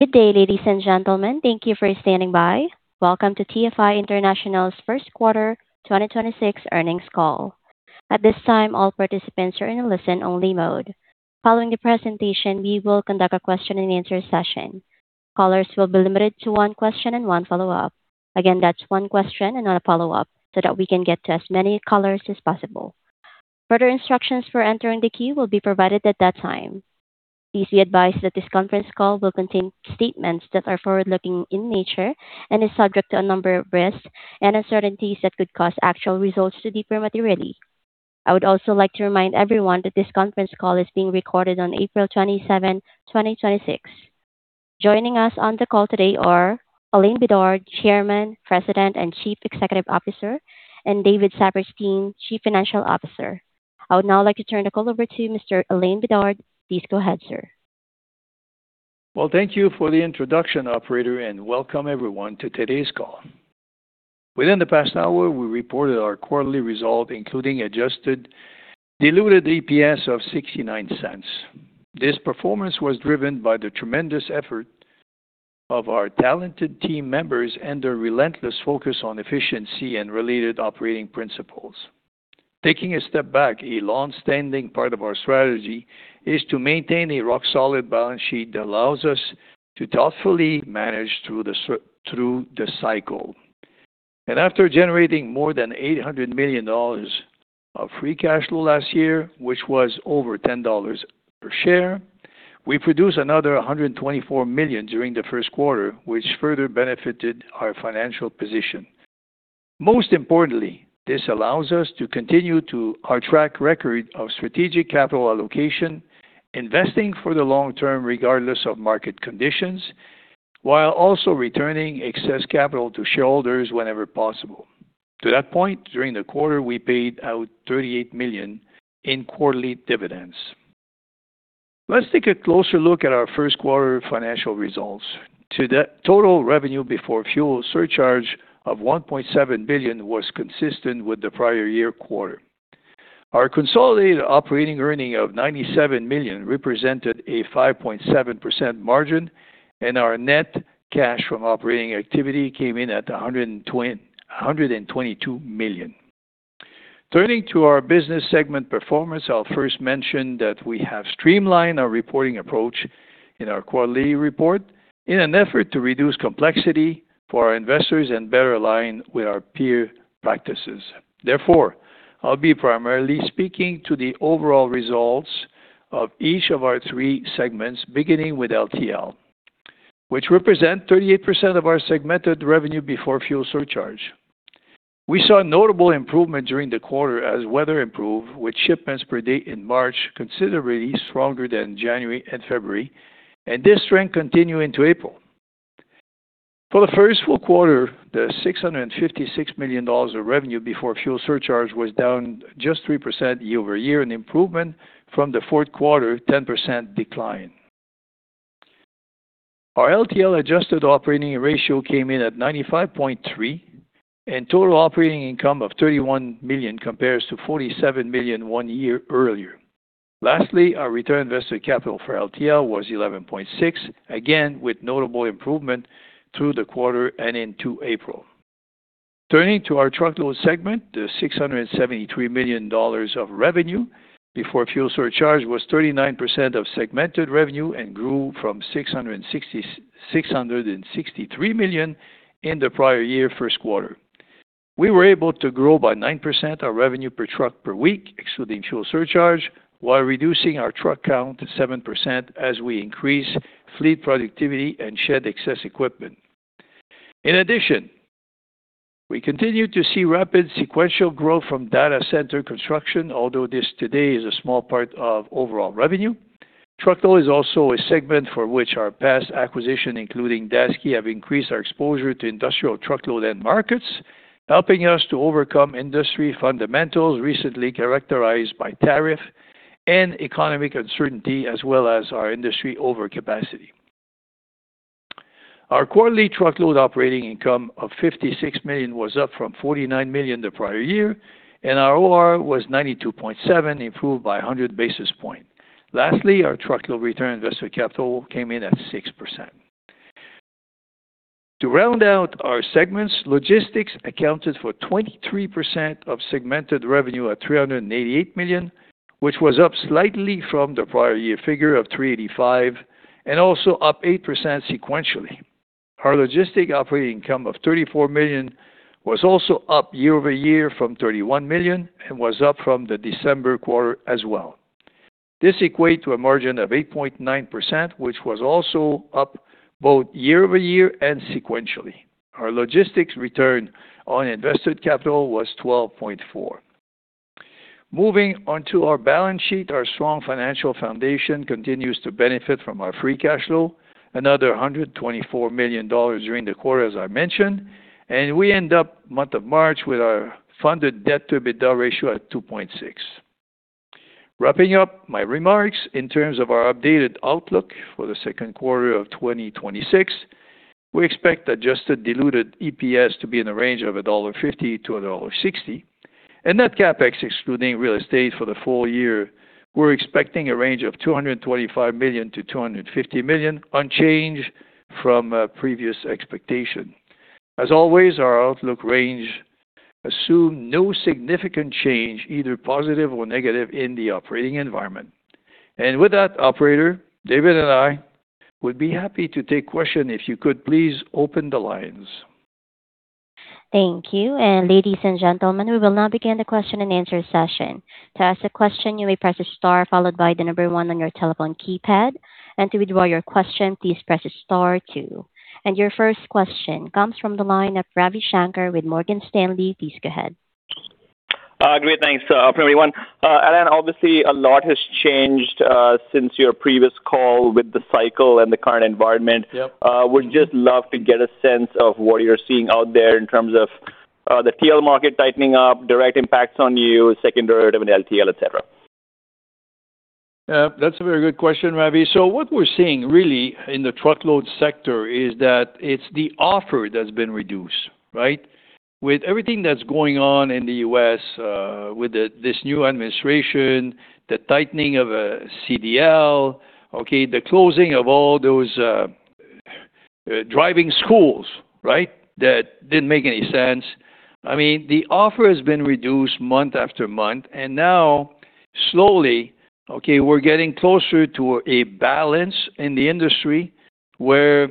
Good day, ladies and gentlemen. Thank you for standing by. Welcome to TFI International's first quarter 2026 earnings call. At this time, all participants are in a listen-only mode. Following the presentation, we will conduct a question-and-answer session. Callers will be limited to one question and one follow-up. Again, that's one question and not a follow-up so that we can get to as many callers as possible. Further instructions for entering the queue will be provided at that time. Please be advised that this conference call will contain statements that are forward-looking in nature and is subject to a number of risks and uncertainties that could cause actual results to differ materially. I would also like to remind everyone that this conference call is being recorded on April 27, 2026. Joining us on the call today are Alain Bédard, Chairman, President, and Chief Executive Officer, and David Saperstein, Chief Financial Officer. I would now like to turn the call over to Mr. Alain Bédard. Please go ahead, sir. Thank you for the introduction, operator, and welcome everyone to today's call. Within the past hour, we reported our quarterly results, including adjusted diluted EPS of $0.69. This performance was driven by the tremendous effort of our talented team members and their relentless focus on efficiency and related operating principles. Taking a step back, a long-standing part of our strategy is to maintain a rock-solid balance sheet that allows us to thoughtfully manage through the cycle. After generating more than $800 million of free cash flow last year, which was over $10 per share, we produced another $124 million during the first quarter, which further benefited our financial position. Most importantly, this allows us to continue to our track record of strategic capital allocation, investing for the long term regardless of market conditions, while also returning excess capital to shareholders whenever possible. To that point, during the quarter, we paid out $38 million in quarterly dividends. Let's take a closer look at our first quarter financial results. Total revenue before fuel surcharge of $1.7 billion was consistent with the prior-year quarter. Our consolidated operating earnings of $97 million represented a 5.7% margin, and our net cash from operating activities came in at $122 million. Turning to our business segment performance, I'll first mention that we have streamlined our reporting approach in our quarterly report in an effort to reduce complexity for our investors and better align with our peer practices. Therefore, I'll be primarily speaking to the overall results of each of our three segments, beginning with LTL, which represent 38% of our segmented revenue before fuel surcharge. We saw a notable improvement during the quarter as weather improved, with shipments per day in March considerably stronger than January and February, and this trend continued into April. For the first full quarter, the $656 million of revenue before fuel surcharge was down just 3% year-over-year, an improvement from the fourth quarter 10% decline. Our LTL adjusted operating ratio came in at 95.3, and total operating income of $31 million compares to $47 million one year earlier. Lastly, our return on invested capital for LTL was 11.6, again with notable improvement through the quarter and into April. Turning to our truckload segment, the $673 million of revenue before fuel surcharge was 39% of segmented revenue and grew from $663 million in the prior year first quarter. We were able to grow by 9% our revenue per truck per week, excluding fuel surcharge, while reducing our truck count 7% as we increase fleet productivity and shed excess equipment. In addition, we continue to see rapid sequential growth from data center construction, although this today is a small part of overall revenue. Truckload is also a segment for which our past acquisition, including Daseke, have increased our exposure to industrial truckload end markets, helping us to overcome industry fundamentals recently characterized by tariff and economic uncertainty, as well as our industry overcapacity. Our quarterly truckload operating income of $56 million was up from $49 million the prior year, and our OR was 92.7, improved by 100 basis points. Lastly, our truckload return on invested capital came in at 6%. To round out our segments, logistics accounted for 23% of segmented revenue at $388 million, which was up slightly from the prior year figure of $385 million and also up 8% sequentially. Our logistics operating income of $34 million was also up year over year from $31 million and was up from the December quarter as well. This equates to a margin of 8.9%, which was also up both year-over-year and sequentially. Our logistics return on invested capital was 12.4%. Moving on to our balance sheet, our strong financial foundation continues to benefit from our free cash flow, another $124 million during the quarter, as I mentioned, and we ended the month of March with our funded debt-to-EBITDA ratio at 2.6. Wrapping up my remarks in terms of our updated outlook for the second quarter of 2026. We expect adjusted diluted EPS to be in the range of $1.50-$1.60. Net CapEx excluding real estate for the full year, we're expecting a range of $225 million-$250 million, unchanged from previous expectation. As always, our outlook range assume no significant change, either positive or negative, in the operating environment. With that operator, David and I would be happy to take questions. If you could please open the lines. Thank you. Ladies and gentlemen, we will now begin the question-and-answer session. To ask a question, you may press star followed by the number one on your telephone keypad. To withdraw your question, please press star two. Your first question comes from the line of Ravi Shanker with Morgan Stanley. Please go ahead. Great. Thanks, everyone. Alain, obviously a lot has changed, since your previous call with the cycle and the current environment. Yep. Would just love to get a sense of what you're seeing out there in terms of the TL market tightening up, direct impacts on you, secondary and LTL, et cetera. That's a very good question, Ravi. What we're seeing really in the truckload sector is that it's the offer that's been reduced, right? With everything that's going on in the U.S., with this new administration, the tightening of CDL, the closing of all those driving schools, right? That didn't make any sense. I mean, the offer has been reduced month after month, and now slowly, we're getting closer to a balance in the industry where,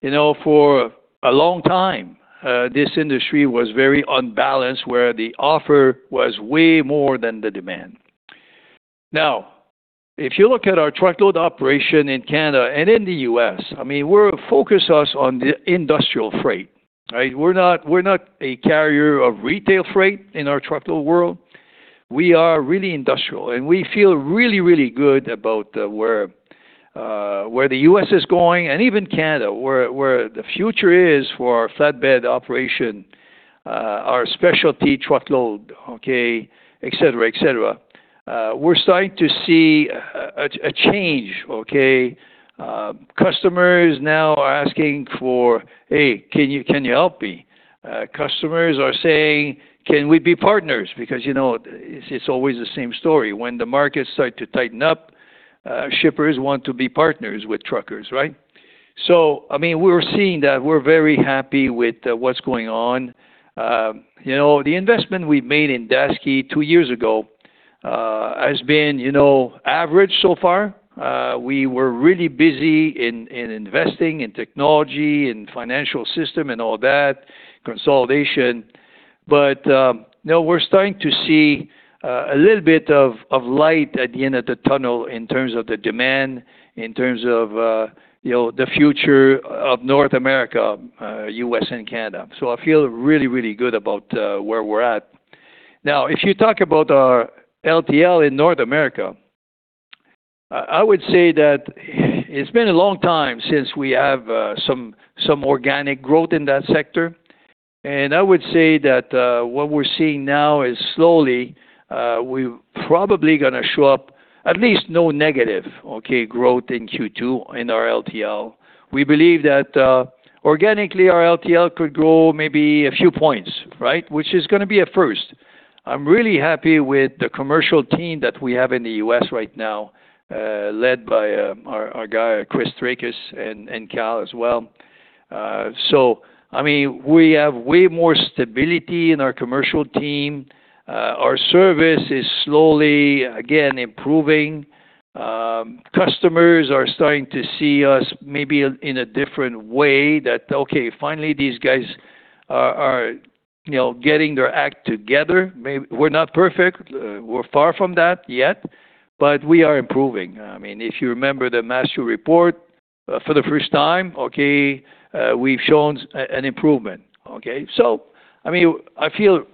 you know, for a long time, this industry was very unbalanced, where the offer was way more than the demand. Now, if you look at our truckload operation in Canada and in the U.S., I mean, we're focused on the industrial freight, right? We're not a carrier of retail freight in our truckload world. We are really industrial, and we feel really good about where the U.S. is going and even Canada, where the future is for our flatbed operation, our specialty truckload, okay, et cetera, et cetera. We're starting to see a change, okay? Customers now are asking for, "Hey, can you help me?" Customers are saying, "Can we be partners?" Because, you know, it's always the same story. When the markets start to tighten up, shippers want to be partners with truckers, right? I mean, we're seeing that. We're very happy with what's going on. You know, the investment we made in Daseke two years ago has been, you know, average so far. We were really busy investing in technology and financial system and all that consolidation. Now we're starting to see a little bit of light at the end of the tunnel in terms of the demand, in terms of you know, the future of North America, U.S. and Canada. I feel really good about where we're at. Now, if you talk about our LTL in North America, I would say that it's been a long time since we have some organic growth in that sector. I would say that what we're seeing now is slowly we probably gonna show up at least no negative, okay, growth in Q2 in our LTL. We believe that organically our LTL could grow maybe a few points, right? Which is gonna be a first. I'm really happy with the commercial team that we have in the U.S. right now, led by our guy, Chris Traikos and Cal as well. I mean, we have way more stability in our commercial team. Our service is slowly again improving. Customers are starting to see us maybe in a different way that, okay, finally, these guys are you know, getting their act together. We're not perfect. We're far from that yet, but we are improving. I mean, if you remember the Mastio report, for the first time, okay, we've shown an improvement, okay? I mean, I feel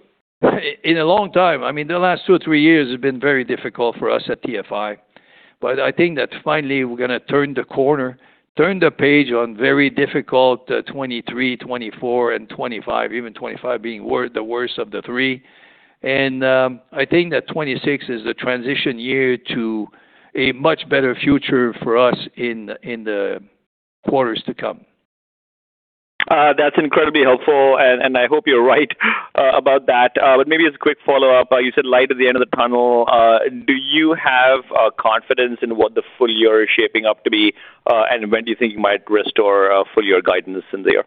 in a long time. I mean, the last two or three years have been very difficult for us at TFI. I think that finally we're gonna turn the corner, turn the page on very difficult 2023, 2024 and 2025, even 2025 being the worst of the three. I think that 2026 is the transition year to a much better future for us in the quarters to come. That's incredibly helpful, and I hope you're right about that. Maybe as a quick follow-up, you said light at the end of the tunnel. Do you have confidence in what the full year is shaping up to be? When do you think you might restore full year guidance in there?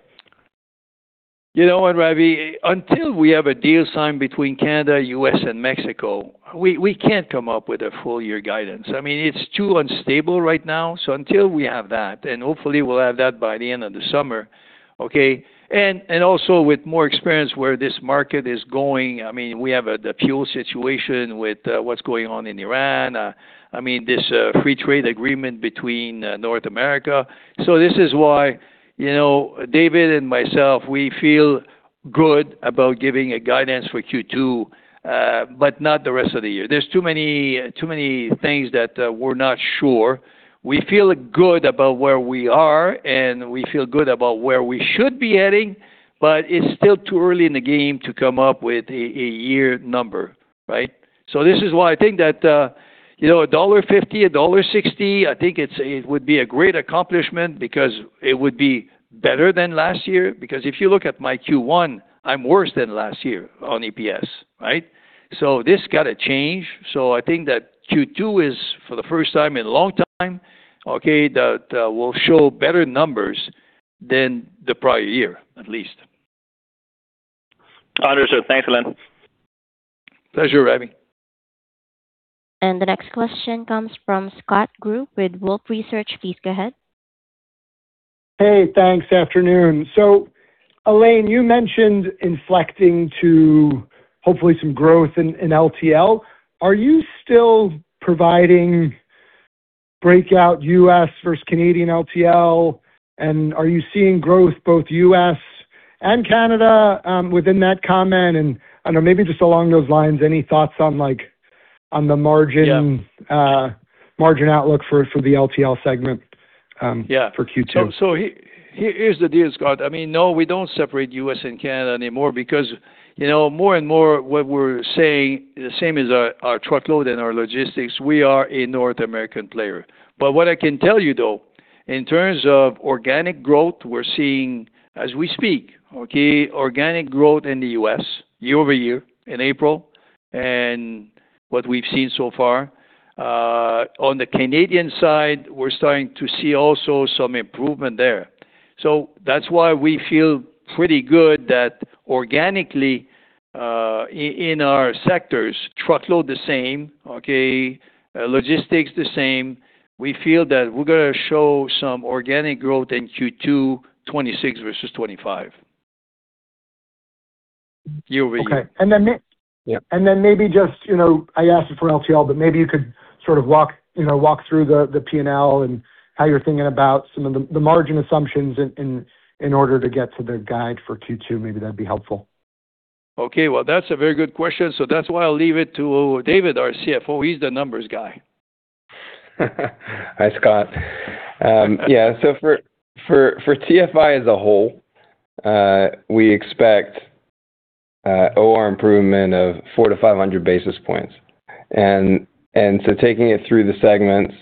You know what, Ravi? Until we have a deal signed between Canada, U.S. and Mexico, we can't come up with a full year guidance. I mean, it's too unstable right now. Until we have that, and hopefully we'll have that by the end of the summer, okay. Also with more experience where this market is going, I mean, we have a fuel situation with what's going on in Iran. I mean, this free trade agreement between North America. This is why, you know, David and myself, we feel good about giving a guidance for Q2, but not the rest of the year. There's too many things that we're not sure. We feel good about where we are, and we feel good about where we should be heading, but it's still too early in the game to come up with a year number, right? This is why I think that, you know, $1.50, $1.60, I think it would be a great accomplishment because it would be better than last year. Because if you look at my Q1, I'm worse than last year on EPS, right? This gotta change. I think that Q2 is, for the first time in a long time, okay, that will show better numbers than the prior year, at least. Understood. Thanks, Alain. Pleasure, Ravi. The next question comes from Scott Group with Wolfe Research. Please go ahead. Hey, thanks. Afternoon. Alain, you mentioned inflecting to hopefully some growth in LTL. Are you still providing breakout U.S. versus Canadian LTL? Are you seeing growth, both U.S. and Canada, within that comment? I don't know, maybe just along those lines, any thoughts on, like, on the margin- Yeah. Margin outlook for the LTL segment. Yeah. For Q2. Here is the deal, Scott. I mean, no, we don't separate U.S. and Canada anymore because, you know, more and more what we're saying, the same as our truckload and our logistics, we are a North American player. What I can tell you, though, in terms of organic growth, we're seeing as we speak, okay, organic growth in the U.S. year-over-year in April and what we've seen so far. On the Canadian side, we're starting to see also some improvement there. That's why we feel pretty good that organically, in our sectors, truckload the same, okay, logistics the same. We feel that we're gonna show some organic growth in Q2, 2026 versus 2025 year-over-year. Okay. Yeah. Maybe just, you know, I asked for LTL, but maybe you could sort of walk, you know, walk through the P&L and how you're thinking about some of the margin assumptions in order to get to the guide for Q2. Maybe that'd be helpful. Okay, well, that's a very good question, so that's why I'll leave it to David, our CFO. He's the numbers guy. Hi, Scott. Yeah. For TFI as a whole, we expect OR improvement of 400-500 basis points. Taking it through the segments.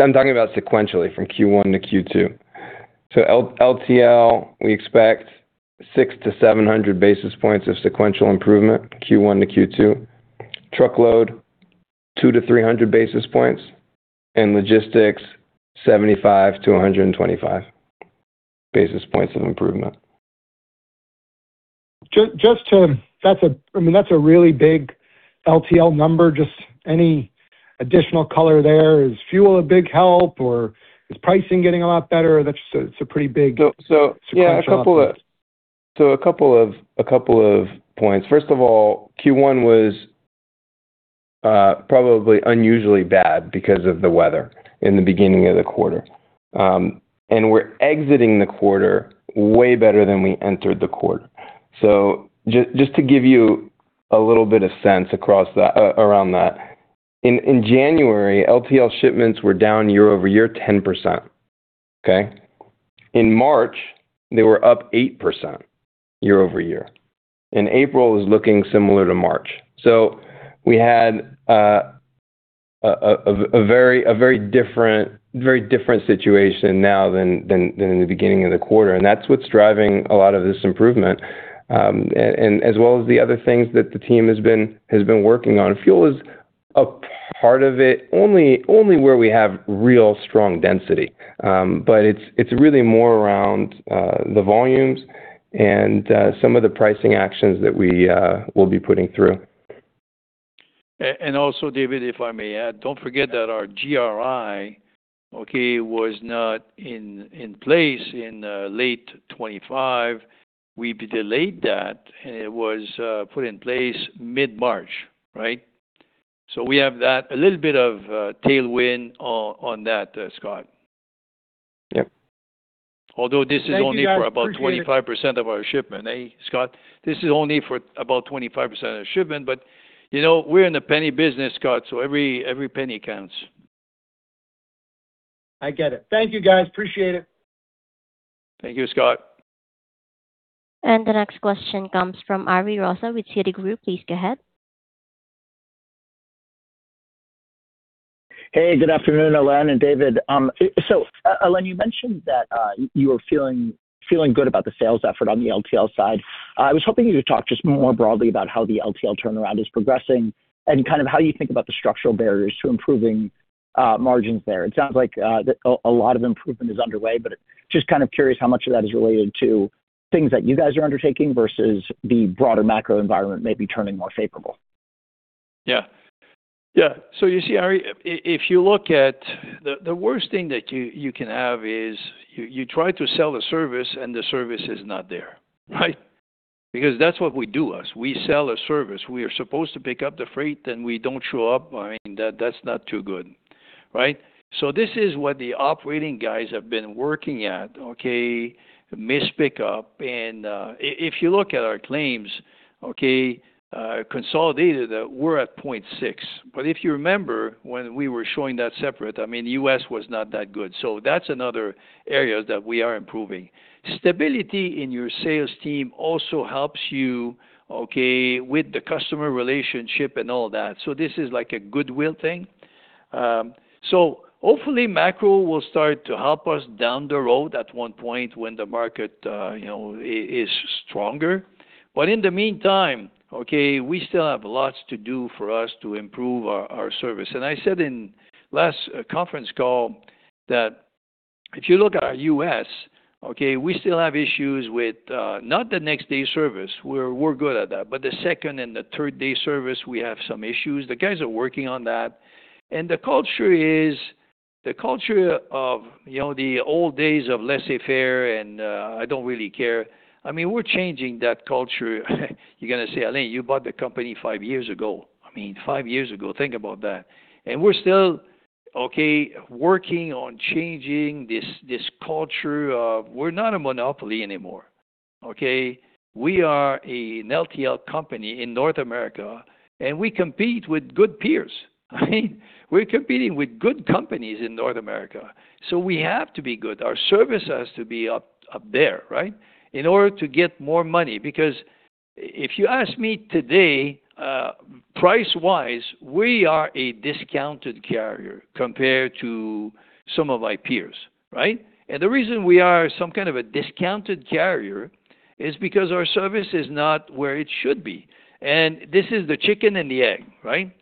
I'm talking about sequentially from Q1 to Q2. LTL, we expect 600-700 basis points of sequential improvement, Q1 to Q2. Truckload, 200-300 basis points. Logistics, 75-125 basis points of improvement. I mean, that's a really big LTL number. Just any additional color there. Is fuel a big help, or is pricing getting a lot better? It's a pretty big Yeah. Sequential. A couple of points. First of all, Q1 was probably unusually bad because of the weather in the beginning of the quarter. We're exiting the quarter way better than we entered the quarter. Just to give you a little bit of sense across that, around that, in January, LTL shipments were down year-over-year 10%, okay? In March, they were up 8% year-over-year. April is looking similar to March. We had a very different situation now than in the beginning of the quarter, and that's what's driving a lot of this improvement and as well as the other things that the team has been working on. Fuel is a part of it, only where we have really strong density. It's really more around the volumes and some of the pricing actions that we will be putting through. Also, David, if I may add, don't forget that our GRI, okay, was not in place in late 2025. We delayed that, and it was put in place mid-March, right? We have that a little bit of tailwind on that, Scott. Yep. Although this is only. Thank you, guys. Appreciate it. For about 25% of our shipment. Hey, Scott, this is only for about 25% of the shipment, but, you know, we're in the penny business, Scott, so every penny counts. I get it. Thank you, guys. Appreciate it. Thank you, Scott. The next question comes from Ari Rosa with Citigroup. Please go ahead. Hey, good afternoon, Alain and David. Alain, you mentioned that you were feeling good about the sales effort on the LTL side. I was hoping you could talk just more broadly about how the LTL turnaround is progressing and kind of how you think about the structural barriers to improving margins there. It sounds like that a lot of improvement is underway, but just kind of curious how much of that is related to things that you guys are undertaking versus the broader macro environment may be turning more favorable. Yeah. You see, Ari, if you look at the worst thing that you can have is you try to sell a service and the service is not there, right? Because that's what we do. We sell a service. We are supposed to pick up the freight, and we don't show up. I mean, that's not too good, right? This is what the operating guys have been working at, okay, missed pickup. If you look at our claims, okay, consolidated, we're at 0.6. If you remember when we were showing that separate, I mean, U.S. was not that good. That's another area that we are improving. Stability in your sales team also helps you, okay, with the customer relationship and all that. This is like a goodwill thing. Hopefully macro will start to help us down the road at one point when the market, you know, is stronger. In the meantime, okay, we still have lots to do for us to improve our service. I said in last conference call that if you look at our U.S., okay, we still have issues with, not the next day service, we're good at that. The second and the third day service, we have some issues. The guys are working on that. The culture is the culture of, you know, the old days of laissez-faire and, I don't really care. I mean, we're changing that culture. You're gonna say, "Alain, you bought the company five years ago." I mean, five years ago, think about that. We're still, okay, working on changing this culture of we're not a monopoly anymore, okay? We are a LTL company in North America, and we compete with good peers. I mean, we're competing with good companies in North America, so we have to be good. Our service has to be up there, right? In order to get more money. Because if you ask me today, price-wise, we are a discounted carrier compared to some of my peers, right? The reason we are some kind of a discounted carrier is because our service is not where it should be. This is the chicken and the egg, right?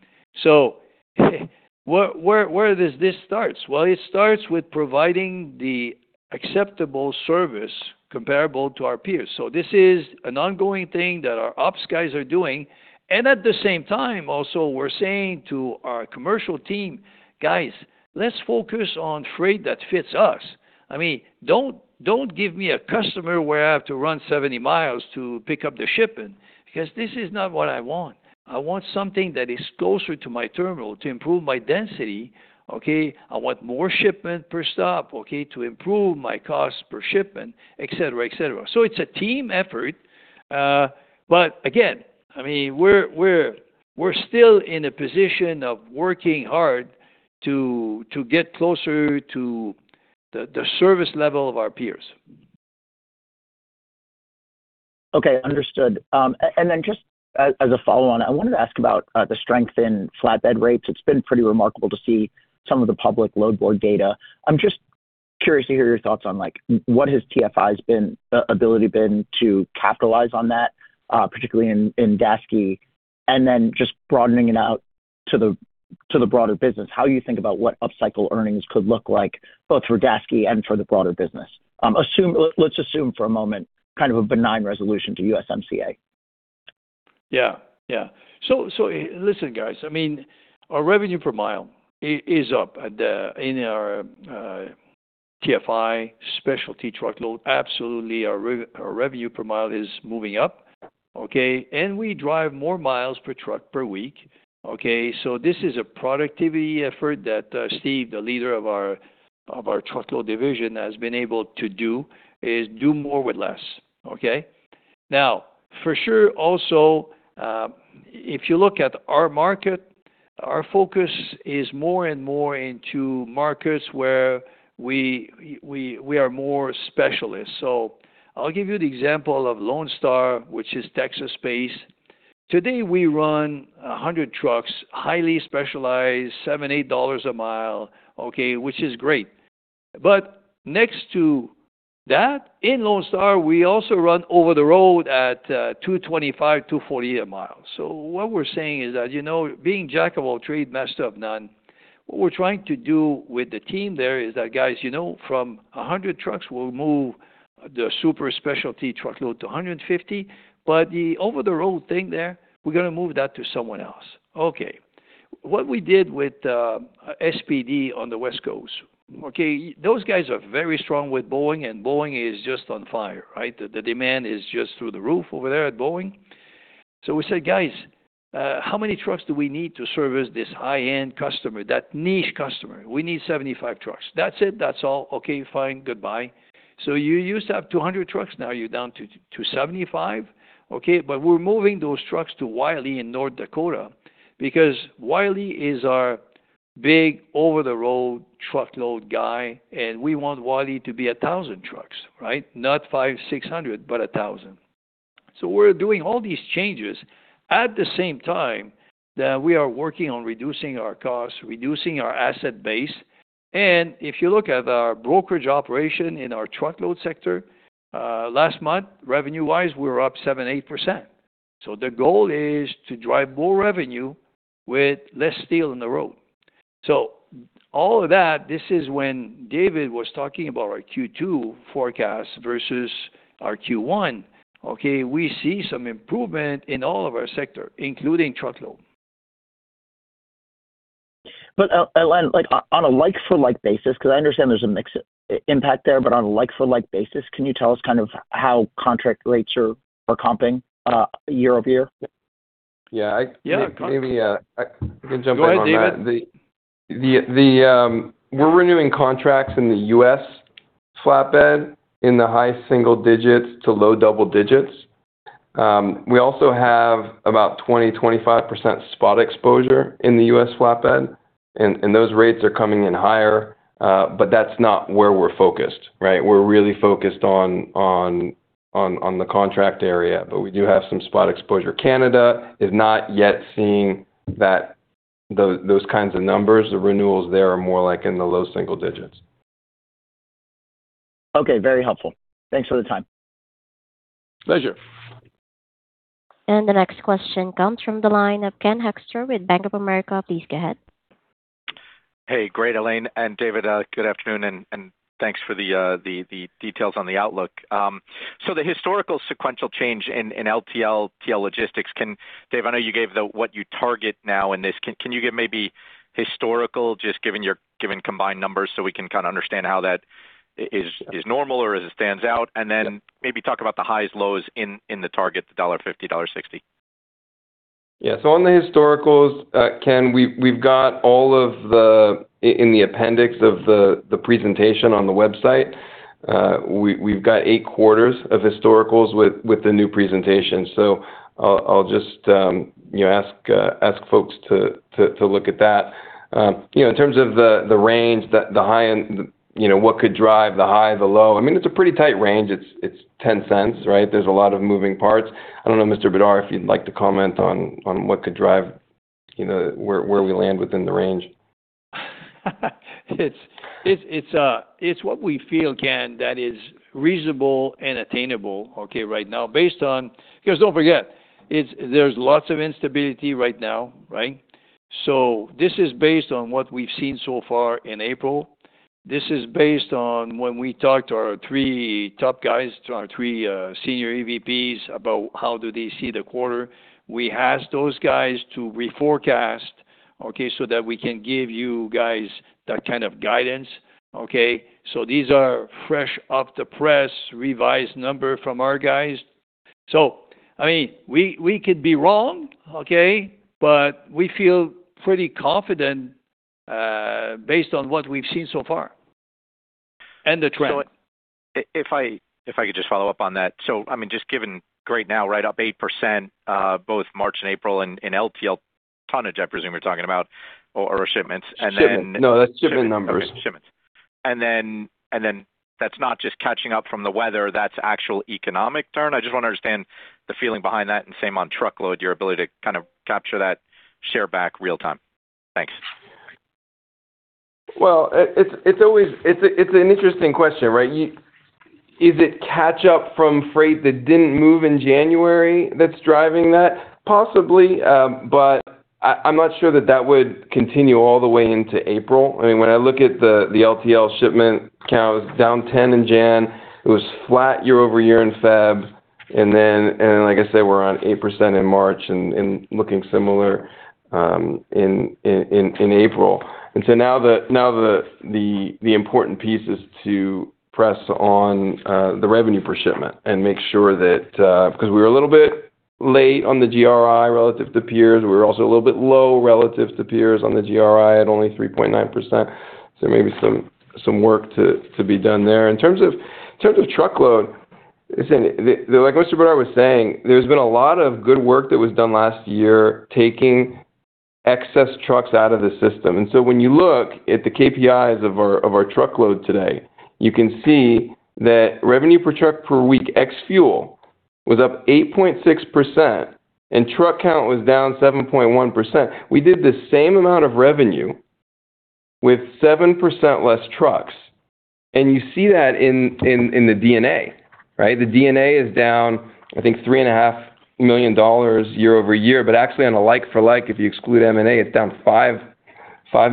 Where does this start? Well, it starts with providing the acceptable service comparable to our peers. This is an ongoing thing that our ops guys are doing. At the same time also, we're saying to our commercial team, "Guys, let's focus on freight that fits us." I mean, don't give me a customer where I have to run 70 mi to pick up the shipment, because this is not what I want. I want something that is closer to my terminal to improve my density, okay? I want more shipment per stop, okay? To improve my cost per shipment, et cetera, et cetera. It's a team effort. Again, I mean, we're still in a position of working hard to get closer to the service level of our peers. Okay. Understood. I wanted to ask about the strength in flatbed rates. It's been pretty remarkable to see some of the public load board data. I'm just curious to hear your thoughts on what TFI's ability has been to capitalize on that, particularly in Daseke. Broadening it out to the broader business, how you think about what upcycle earnings could look like both for Daseke and for the broader business. Let's assume for a moment kind of a benign resolution to USMCA. Listen, guys, I mean, our revenue/mi is up in our TFI specialty truckload. Absolutely, our revenue/mi is moving up, okay? We drive more miles per truck per week, okay? This is a productivity effort that Steve, the leader of our truckload division, has been able to do, is do more with less, okay? Now, for sure, also, if you look at our market, our focus is more and more into markets where we are more specialists. I'll give you the example of Lone Star, which is Texas-based. Today, we run 100 trucks, highly specialized, $7-$8 a mi, okay? Which is great. Next to that, in Lone Star, we also run over the road at $2.25-$2.40 a mi. What we're saying is that, you know, being Jack of all trade, master of none, what we're trying to do with the team there is that, guys, you know, from 100 trucks, we'll move the super specialty truckload to 150. The over the road thing there, we're gonna move that to someone else. Okay. What we did with SPD on the West Coast. Okay, those guys are very strong with Boeing, and Boeing is just on fire, right? The demand is just through the roof over there at Boeing. We said, "Guys, how many trucks do we need to service this high-end customer, that niche customer?" We need 75 trucks. That's it. That's all. Okay, fine. Goodbye. You used to have 200 trucks, now you're down to 275, okay? We're moving those trucks to Wiley in North Dakota because Wiley is our big over the road truckload guy, and we want Wiley to be 1,000 trucks, right? Not 500-600, but 1,000. We're doing all these changes at the same time that we are working on reducing our costs, reducing our asset base. If you look at our brokerage operation in our truckload sector, last month, revenue-wise, we were up 7%-8%. The goal is to drive more revenue with less steel on the road. All of that, this is when David was talking about our Q2 forecast versus our Q1, okay? We see some improvement in all of our sector, including truckload. Like on a like for like basis, 'cause I understand there's a mix impact there, but on a like for like basis, can you tell us kind of how contract rates are comping year-over-year? Yeah. Yeah. Go on. Maybe, I can jump in on that. Go ahead, David. We're renewing contracts in the U.S. flatbed in the high-single digits to low-double digits. We also have about 20%-25% spot exposure in the U.S. flatbed, and those rates are coming in higher, but that's not where we're focused, right? We're really focused on the contract area, but we do have some spot exposure. Canada is not yet seeing those kinds of numbers. The renewals there are more like in the low-single digits. Okay, very helpful. Thanks for the time. Pleasure. The next question comes from the line of Ken Hoexter with Bank of America. Please go ahead. Hey. Great, Alain. David, good afternoon, and thanks for the details on the outlook. The historical sequential change in LTL, TL logistics. Dave, I know you gave the target now in this. Can you give maybe historical, just given combined numbers so we can kind of understand how that is normal or as it stands out? Then maybe talk about the highs, lows in the target, the $1.50, $1.60. Yeah. On the historicals, Ken, we've got all of the in the appendix of the presentation on the website, we've got eight quarters of historicals with the new presentation. I'll just, you know, ask folks to look at that. You know in terms of the range, the high and you know what could drive the high, the low, I mean it's a pretty tight range. It's $0.10, right? There's a lot of moving parts. I don't know, Mr. Bédard, if you'd like to comment on what could drive you know where we land within the range. It's what we feel, Ken, that is reasonable and attainable, okay, right now, based on what we've seen so far. Don't forget, there's lots of instability right now, right? This is based on what we've seen so far in April. This is based on when we talked to our three top guys, our three senior EVPs about how they see the quarter. We asked those guys to reforecast, okay, so that we can give you guys that kind of guidance, okay? These are fresh off the press, revised number from our guys. I mean, we could be wrong, okay? We feel pretty confident, based on what we've seen so far and the trend. If I could just follow up on that. I mean, just given right now, right up 8%, both March and April in LTL tonnage, I presume you're talking about or shipments. Then- Shipment. No, that's shipment numbers. Okay. Shipments. That's not just catching up from the weather, that's actual economic upturn? I just wanna understand the feeling behind that and same on truckload, your ability to kind of capture that share back real time. Thanks. Well, it's always an interesting question, right? Is it catch up from freight that didn't move in January that's driving that? Possibly, but I'm not sure that would continue all the way into April. I mean, when I look at the LTL shipment count, it was down 10% in January, it was flat year-over-year in February, and then, like I said, we're on 8% in March and looking similar in April. Now the important piece is to press on the revenue per shipment and make sure that, 'cause we were a little bit late on the GRI relative to peers. We were also a little bit low relative to peers on the GRI at only 3.9%. Maybe some work to be done there. In terms of truckload, listen, like Mr. Bédard was saying, there's been a lot of good work that was done last year, taking excess trucks out of the system. When you look at the KPIs of our truckload today, you can see that revenue per truck per week ex fuel was up 8.6%, and truck count was down 7.1%. We did the same amount of revenue with 7% less trucks. You see that in the D&A, right? The D&A is down, I think $3.5 million year-over-year, but actually on a like for like, if you exclude M&A, it's down $5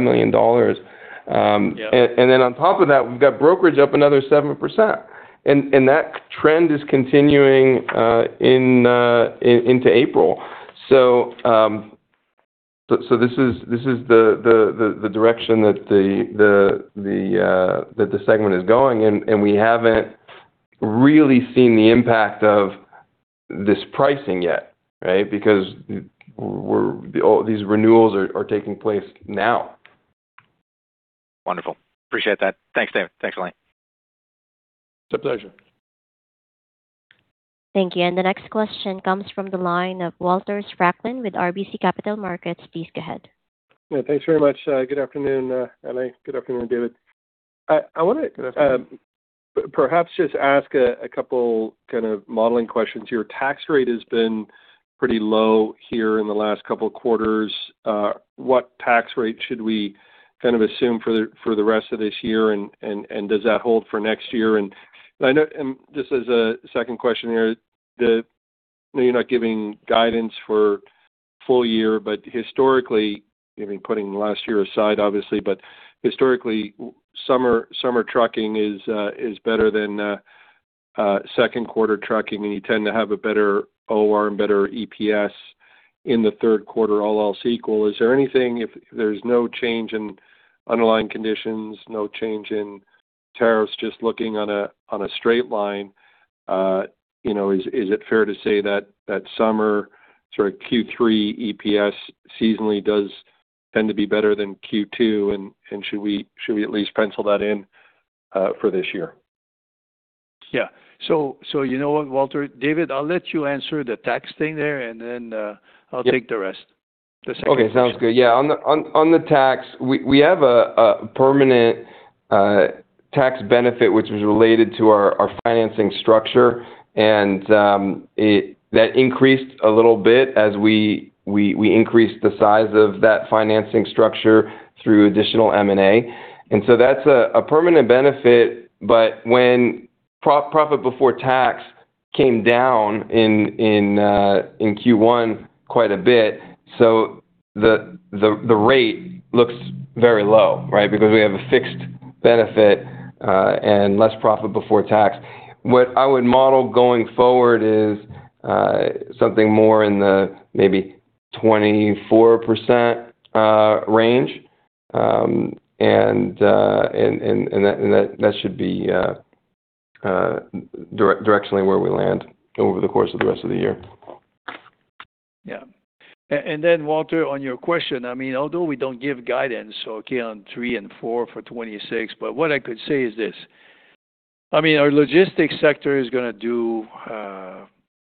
million. Yeah. On top of that, we've got brokerage up another 7%. That trend is continuing into April. This is the direction that the segment is going. We haven't really seen the impact of this pricing yet, right? Because all these renewals are taking place now. Wonderful. Appreciate that. Thanks, David. Thanks, Alain. It's a pleasure. Thank you. The next question comes from the line of Walter Spracklin with RBC Capital Markets. Please go ahead. Yeah, thanks very much. Good afternoon, Alain. Good afternoon, David. I wanna- Good afternoon. Perhaps just ask a couple kind of modeling questions here. Tax rate has been pretty low here in the last couple of quarters. What tax rate should we kind of assume for the rest of this year, and does that hold for next year? I know and just as a second question here, I know you're not giving guidance for full year, but historically, I mean, putting last year aside obviously, but historically, summer trucking is better than second quarter trucking, and you tend to have a better OR and better EPS in the third quarter, all else equal. Is there anything if there's no change in underlying conditions, no change in tariffs, just looking on a straight line, you know, is it fair to say that summer sort of Q3 EPS seasonally does tend to be better than Q2 and should we at least pencil that in for this year? Yeah. You know what, Walter? David, I'll let you answer the tax thing there, and then, I'll take the rest. The second question. Okay, sounds good. Yeah. On the tax, we have a permanent tax benefit which was related to our financing structure. That increased a little bit as we increased the size of that financing structure through additional M&A. That's a permanent benefit. When profit before tax came down in Q1 quite a bit, the rate looks very low, right? Because we have a fixed benefit and less profit before tax. What I would model going forward is something more in the maybe 24% range. That should be directionally where we land over the course of the rest of the year. Then Walter, on your question, I mean, although we don't give guidance, okay, on three and four for 2026, but what I could say is this. I mean, our logistics sector is gonna do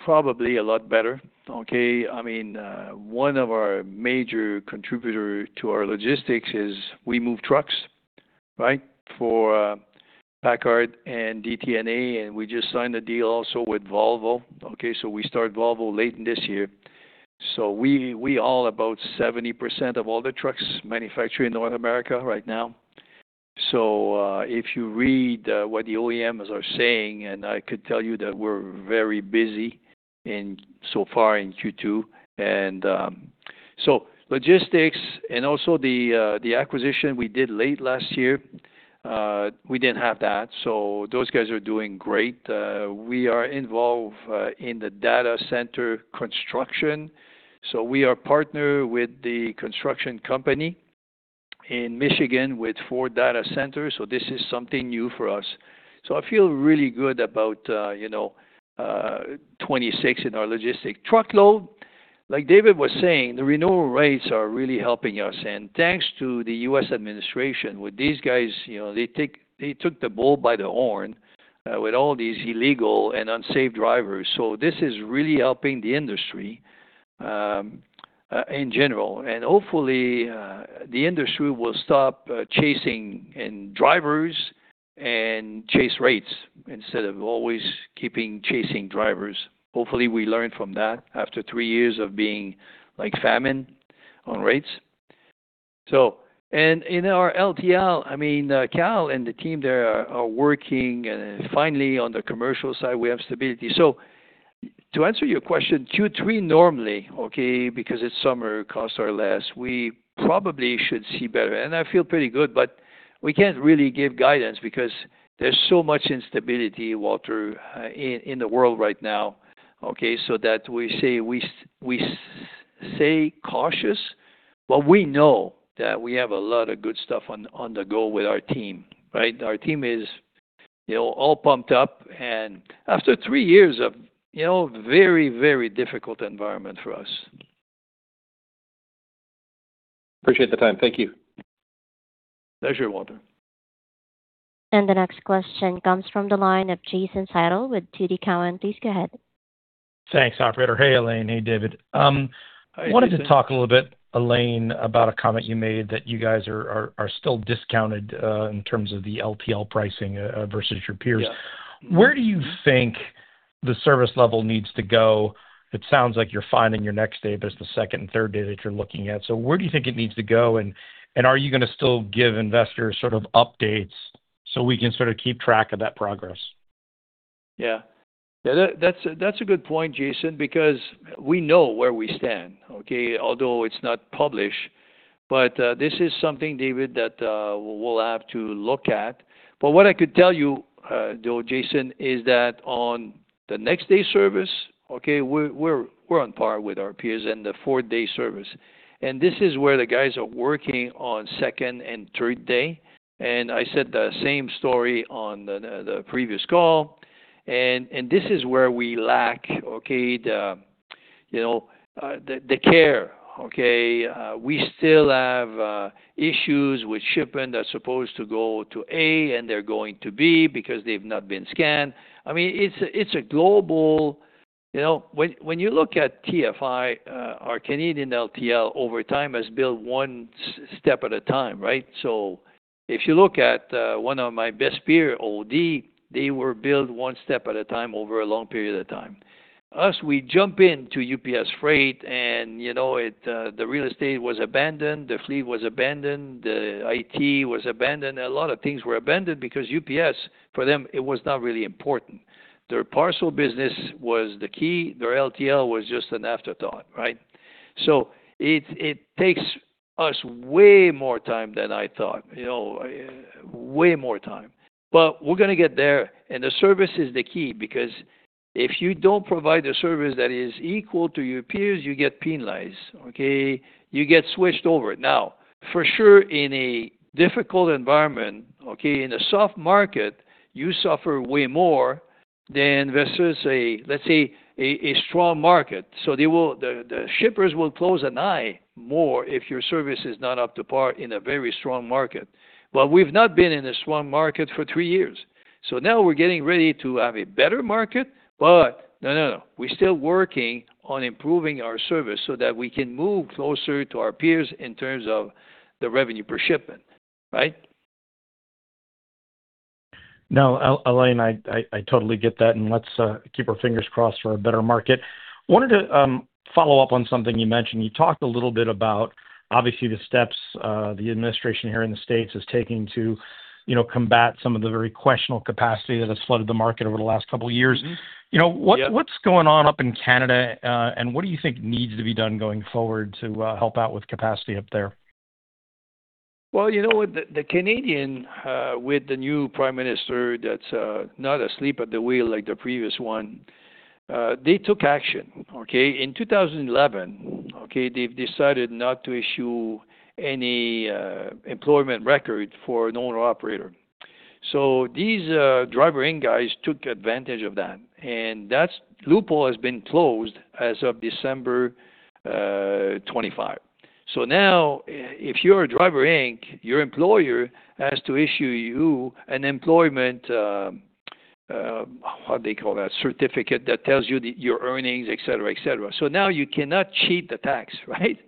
probably a lot better, okay? I mean, one of our major contributor to our logistics is we move trucks, right? For PACCAR and DTNA, and we just signed a deal also with Volvo, okay? We start Volvo late this year. We haul about 70% of all the trucks manufactured in North America right now. If you read what the OEMs are saying, and I could tell you that we're very busy so far in Q2. Logistics and also the acquisition we did late last year, we didn't have that, so those guys are doing great. We are involved in the data center construction, so we are partnered with the construction company in Michigan with four data centers, so this is something new for us. I feel really good about, you know, 26 in our logistics truckload. Like David was saying, the renewal rates are really helping us. Thanks to the U.S. administration with these guys, you know, they took the bull by the horns with all these illegal and unsafe drivers. This is really helping the industry in general. Hopefully, the industry will stop chasing drivers and chase rates instead of always chasing drivers. We learn from that after three years of being like famine on rates. In our LTL, I mean, Cal and the team there are working, and finally, on the commercial side, we have stability. To answer your question, Q3 normally, because it's summer, costs are less. We probably should see better, and I feel pretty good, but we can't really give guidance because there's so much instability, Walter, in the world right now. We say cautious, but we know that we have a lot of good stuff on the go with our team, right? Our team is, you know, all pumped up and after three years of, you know, very, very difficult environment for us. Appreciate the time. Thank you. Pleasure, Walter. The next question comes from the line of Jason Seidl with TD Cowen. Please go ahead. Thanks, operator. Hey, Alain. Hey, David. Hi, Jason. Wanted to talk a little bit, Alain, about a comment you made that you guys are still discounted in terms of the LTL pricing versus your peers. Yeah. Mm-hmm. Where do you think the service level needs to go? It sounds like you're finding your next day, but it's the second and third day that you're looking at. Where do you think it needs to go? And are you gonna still give investors sort of updates so we can sort of keep track of that progress? Yeah, that's a good point, Jason, because we know where we stand, okay? Although it's not published, but this is something, David, that we'll have to look at. But what I could tell you, though, Jason, is that on the next day service, okay, we're on par with our peers and the four-day service. And this is where the guys are working on second and third day. And I said the same story on the previous call. And this is where we lack, okay, you know, the care, okay? We still have issues with shipment that's supposed to go to A and they're going to B because they've not been scanned. I mean, it's a global. You know, when you look at TFI, our Canadian LTL over time has built one step at a time, right? If you look at one of my best peer, OD, they were built one step at a time over a long period of time. Us, we jump into UPS Freight and, you know, the real estate was abandoned, the fleet was abandoned, the IT was abandoned. A lot of things were abandoned because UPS, for them, it was not really important. Their parcel business was the key. Their LTL was just an afterthought, right? It takes us way more time than I thought, you know, way more time. We're gonna get there, and the service is the key because if you don't provide a service that is equal to your peers, you get penalized, okay? You get switched over. Now, for sure, in a difficult environment, okay, in a soft market, you suffer way more. The investors say, let's say a strong market, so they will, the shippers will close an eye more if your service is not up to par in a very strong market. We've not been in a strong market for three years. Now we're getting ready to have a better market. No, no, we're still working on improving our service so that we can move closer to our peers in terms of the revenue per shipment, right? No, Alain, I totally get that, and let's keep our fingers crossed for a better market. I wanted to follow up on something you mentioned. You talked a little bit about, obviously, the steps the administration here in the States is taking to, you know, combat some of the very questionable capacity that has flooded the market over the last couple years. Mm-hmm. Yeah. You know, what's going on up in Canada, and what do you think needs to be done going forward to help out with capacity up there? Well, you know what? The Canadian, with the new prime minister that's not asleep at the wheel like the previous one, they took action, okay? In 2011, okay, they've decided not to issue any employment record for an owner-operator. These Driver Inc. guys took advantage of that, and that loophole has been closed as of December 25. Now if you're a Driver Inc., your employer has to issue you an employment... What do they call that? Certificate that tells you your earnings, et cetera, et cetera. Now you cannot cheat the tax, right?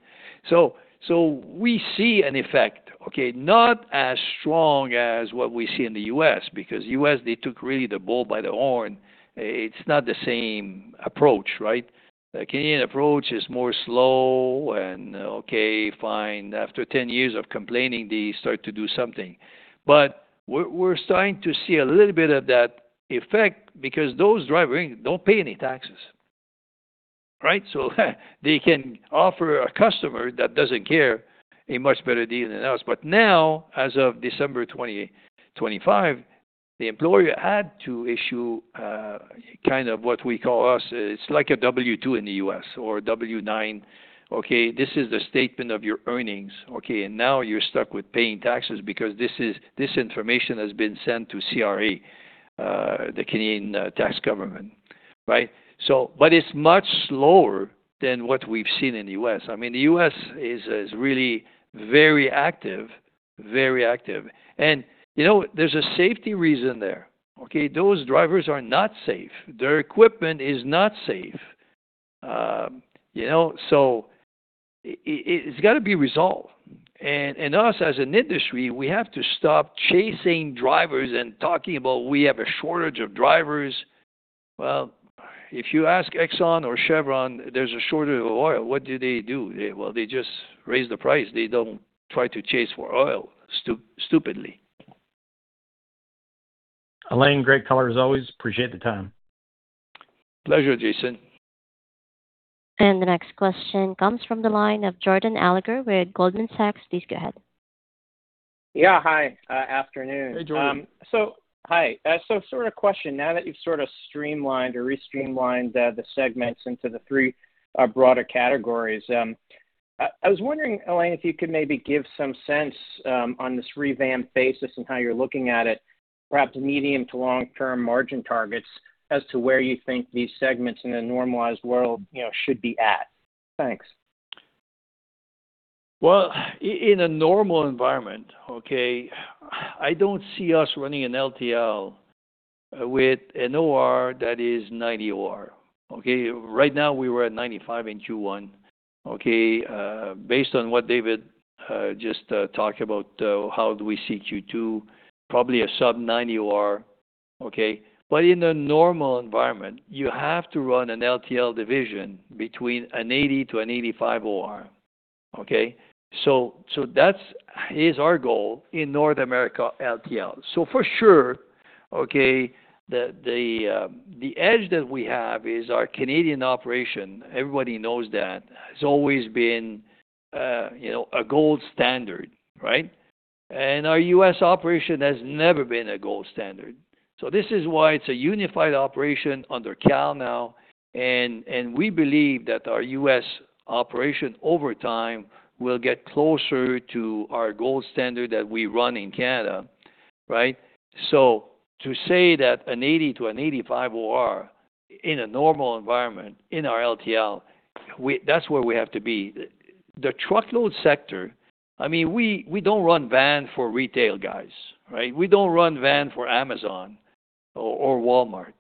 We see an effect, okay, not as strong as what we see in the U.S. because U.S. they took really the bull by the horn. It's not the same approach, right? The Canadian approach is slower, after 10 years of complaining, they start to do something. We're starting to see a little bit of that effect because those Driver Inc. don't pay any taxes, right? They can offer a customer that doesn't care a much better deal than us. Now, as of December 2025, the employer had to issue kind of what we call the T4, it's like a W-2 in the U.S. or W-9, okay? This is the statement of your earnings, okay? Now you're stuck with paying taxes because this information has been sent to CRA, the Canadian Revenue Agency, right? It's much slower than what we've seen in the U.S. I mean, the U.S. is really very active. You know what? There's a safety reason there, okay? Those drivers are not safe. Their equipment is not safe, you know. It's gotta be resolved. Us as an industry, we have to stop chasing drivers and talking about we have a shortage of drivers. Well, if you ask Exxon or Chevron, there's a shortage of oil. What do they do? Well, they just raise the price. They don't try to chase for oil stupidly. Alain, great color as always. I appreciate the time. Pleasure, Jason. The next question comes from the line of Jordan Alliger with Goldman Sachs. Please go ahead. Yeah, hi. Afternoon. Hey, Jordan. Hi. Sort of question, now that you've sorta streamlined or re-streamlined the segments into the three broader categories, I was wondering, Alain, if you could maybe give some sense on this revamped basis and how you're looking at it, perhaps medium- to long-term margin targets as to where you think these segments in a normalized world, you know, should be at. Thanks. Well, in a normal environment, okay, I don't see us running an LTL with an OR that is 90 OR, okay? Right now we were at 95 in Q1, okay. Based on what David just talked about, how do we see Q2, probably a sub-90 OR, okay. In a normal environment, you have to run an LTL division between an 80-85 OR, okay? That's our goal in North America LTL. For sure, okay, the edge that we have is our Canadian operation. Everybody knows that. It's always been, you know, a gold standard, right? Our U.S. operation has never been a gold standard. This is why it's a unified operation under Cal now. We believe that our U.S. operation over time will get closer to our gold standard that we run in Canada, right? To say that a 80-85 OR in a normal environment in our LTL, we, that's where we have to be. The truckload sector, I mean, we don't run van for retail guys, right? We don't run van for Amazon or Walmart.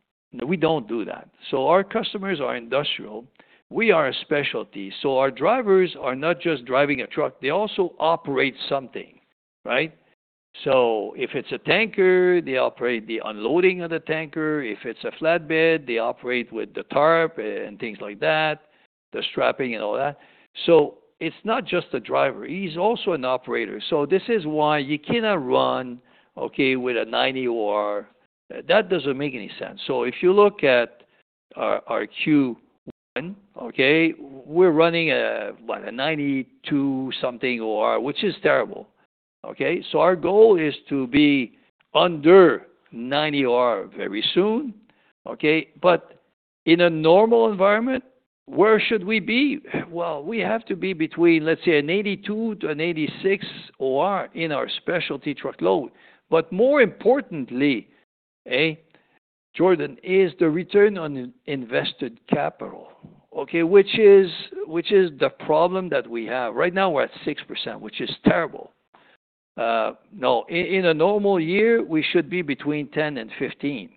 We don't do that. Our customers are industrial. We are a specialty. Our drivers are not just driving a truck, they also operate something, right? If it's a tanker, they operate the unloading of the tanker. If it's a flatbed, they operate with the tarp and things like that, the strapping and all that. It's not just the driver. He's also an operator. This is why you cannot run, okay, with a 90 OR. That doesn't make any sense. If you look at our Q1, okay, we're running a 92-something OR, which is terrible, okay. Our goal is to be under 90 OR very soon, okay. In a normal environment, where should we be? Well, we have to be between, let's say, 82-86 OR in our specialty truckload. More importantly, Jordan, is the return on invested capital, okay, which is the problem that we have. Right now, we're at 6%, which is terrible. In a normal year, we should be between 10%-15%.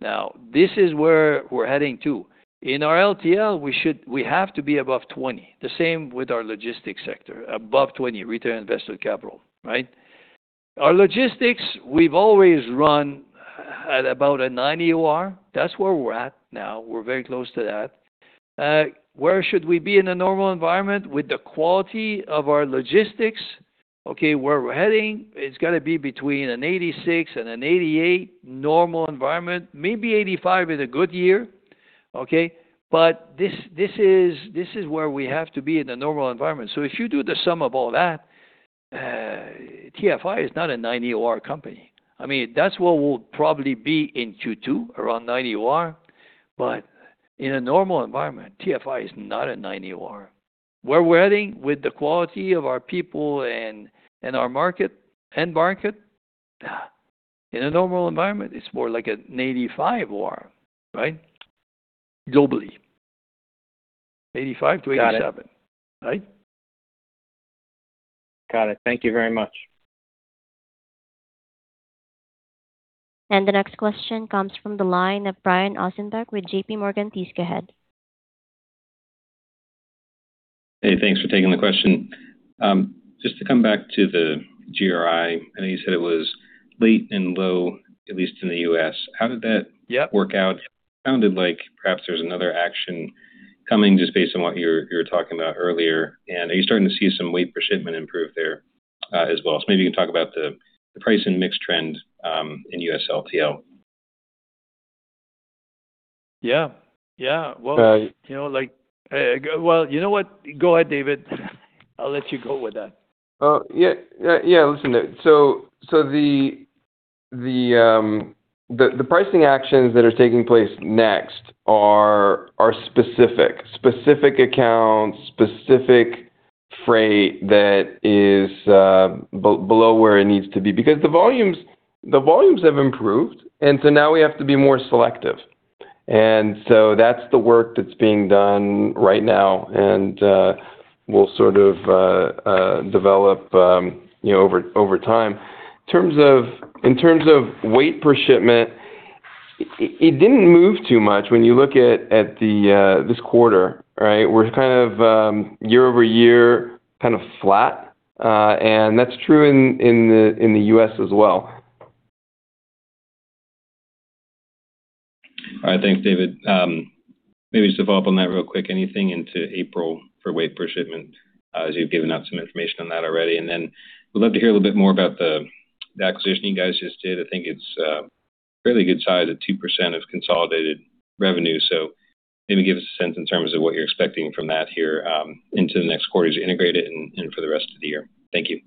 Now, this is where we're heading to. In our LTL, we have to be above 20%. The same with our logistics sector, above 20% return on invested capital, right? Our logistics, we've always run at about a 90 OR. That's where we're at now. We're very close to that. Where should we be in a normal environment with the quality of our logistics? Okay, where we're heading, it's got to be between 86 and 88 normal environment. Maybe 85 is a good year, okay? But this is where we have to be in a normal environment. If you do the sum of all that, TFI is not a 90 OR company. I mean, that's where we'll probably be in Q2, around 90 OR. But in a normal environment, TFI is not a 90 OR. Where we're heading with the quality of our people and our market, end market, in a normal environment, it's more like an 85 OR, right? Globally. 85-87. Got it. Right? Got it. Thank you very much. The next question comes from the line of Brian Ossenbeck with JPMorgan, please, go ahead. Hey, thanks for taking the question. Just to come back to the GRI, I know you said it was late and low, at least in the U.S. How did that- Yeah. Work out? It sounded like perhaps there's another action coming just based on what you were talking about earlier. Are you starting to see some weight per shipment improve there as well? Maybe you can talk about the price and mix trend in U.S. LTL. Yeah. Well- Sorry. You know, like, well, you know what? Go ahead, David. I'll let you go with that. Yeah. Listen, the pricing actions that are taking place next are specific. Specific accounts, specific freight that is below where it needs to be. Because the volumes have improved, now we have to be more selective. That's the work that's being done right now and will sort of develop, you know, over time. In terms of weight per shipment, it didn't move too much when you look at this quarter, right? We're kind of year over year, kind of flat. That's true in the U.S. as well. All right. Thanks, David. Maybe just to follow up on that real quick, anything into April for weight per shipment, as you've given out some information on that already. We'd love to hear a little bit more about the acquisition you guys just did. I think it's a fairly good size at 2% of consolidated revenue. Maybe give us a sense in terms of what you're expecting from that here, into the next quarter as you integrate it and for the rest of the year. Thank you.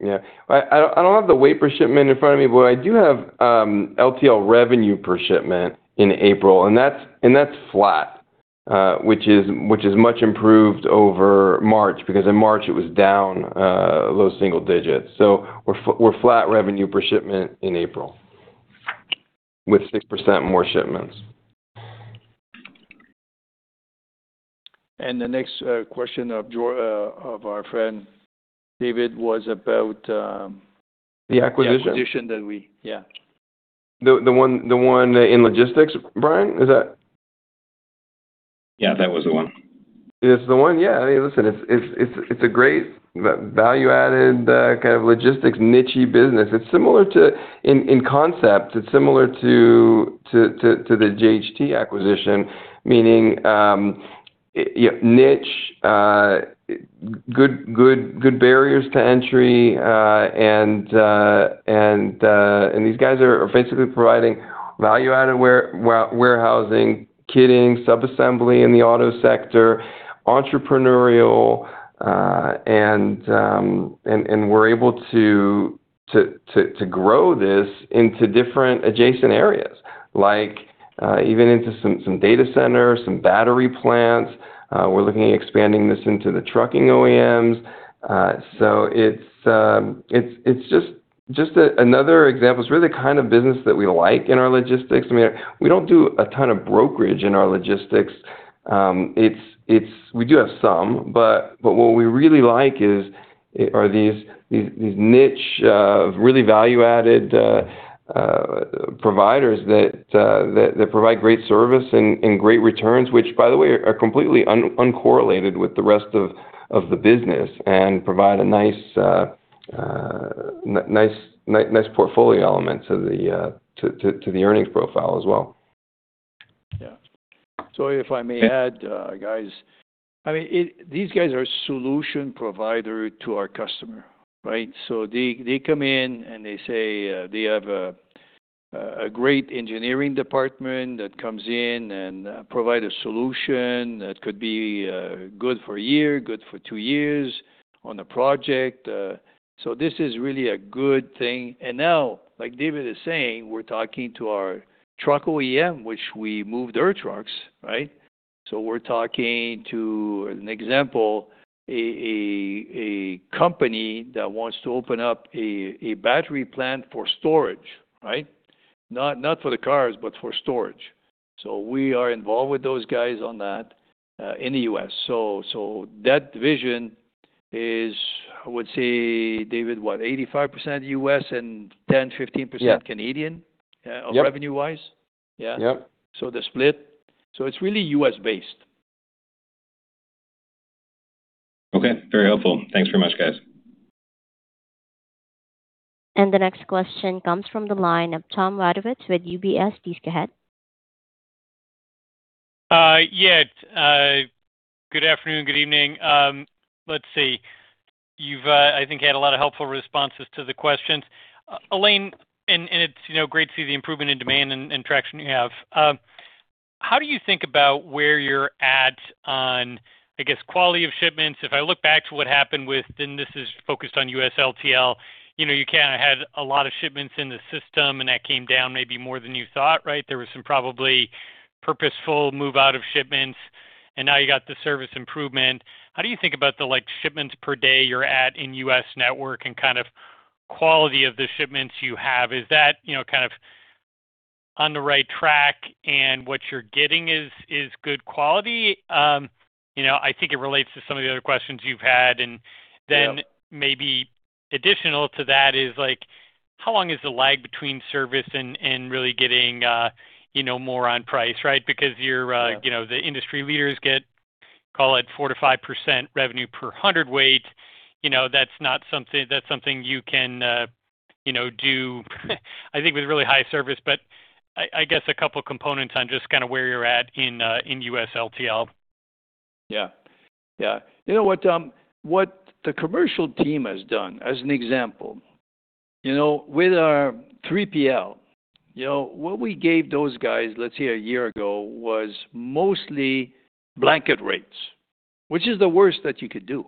Yeah. I don't have the weight per shipment in front of me, but I do have LTL revenue per shipment in April, and that's flat. Which is much improved over March, because in March it was down low single digits. We're flat revenue per shipment in April with 6% more shipments. The next question of our friend David was about. The acquisition? Yeah. The one in logistics, Brian? Is that... Yeah, that was the one. It's the one? Yeah. I mean, listen, it's a great value-added kind of logistics niche-y business. It's similar to. In concept, it's similar to the JHT acquisition, meaning, yeah, niche, good barriers to entry, and these guys are basically providing value-added warehousing, kitting, sub-assembly in the auto sector, entrepreneurial, and we're able to grow this into different adjacent areas. Like, even into some data centers, some battery plants. We're looking at expanding this into the trucking OEMs. It's just another example. It's really the kind of business that we like in our logistics. I mean, we don't do a ton of brokerage in our logistics. It's—we do have some, but what we really like are these niche really value-added providers that provide great service and great returns. Which, by the way, are completely uncorrelated with the rest of the business and provide a nice portfolio element to the earnings profile as well. Yeah. Sorry, if I may add, guys. I mean, it these guys are a solution provider to our customer, right? They come in and they say, they have a great engineering department that comes in and provide a solution that could be good for a year, good for two years on a project. This is really a good thing. Now, like David is saying, we're talking to our truck OEM, which we moved their trucks, right? We're talking to, an example, a company that wants to open up a battery plant for storage, right? Not for the cars, but for storage. We are involved with those guys on that, in the U.S. That division is, I would say, David, what, 85% U.S. and 10%-15% Canadian. Yeah. Yep. Of revenue-wise. Yeah. Yep. The split. It's really U.S.-based. Okay, very helpful. Thanks very much, guys. The next question comes from the line of Tom Wadewitz with UBS. Please go ahead. Yeah. Good afternoon, good evening. Let's see. You've, I think, had a lot of helpful responses to the questions. Alain, and it's, you know, great to see the improvement in demand and traction you have. How do you think about where you're at on, I guess, quality of shipments? If I look back to what happened, this is focused on U.S. LTL. You know, you kinda had a lot of shipments in the system, and that came down maybe more than you thought, right? There was some probably purposeful move out of shipments, and now you got the service improvement. How do you think about the, like, shipments per day you're at in U.S. network and kind of quality of the shipments you have? Is that, you know, kind of on the right track and what you're getting is good quality? You know, I think it relates to some of the other questions you've had. Yeah. Maybe additional to that is, like, how long is the lag between service and really getting, you know, more on price, right? Because you're- Yeah. You know, the industry leaders get, call it 4%-5% revenue per hundredweight. You know, that's something you can, you know, do, I think with really high service. I guess a couple components on just kinda where you're at in U.S. LTL. Yeah. You know what the commercial team has done, as an example, you know, with our 3PL, you know, what we gave those guys, let's say a year ago, was mostly blanket rates, which is the worst that you could do,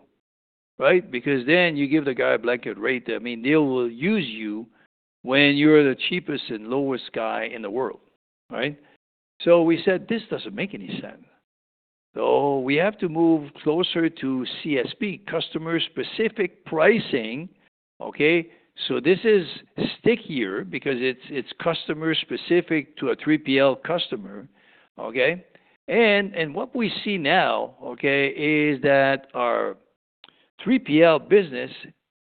right? Because then you give the guy a blanket rate that mean they will use you when you're the cheapest and lowest guy in the world, right? We said, "This doesn't make any sense." We have to move closer to CSP, customer-specific pricing, okay? This is stickier because it's customer-specific to a 3PL customer, okay? What we see now, okay, is that our 3PL business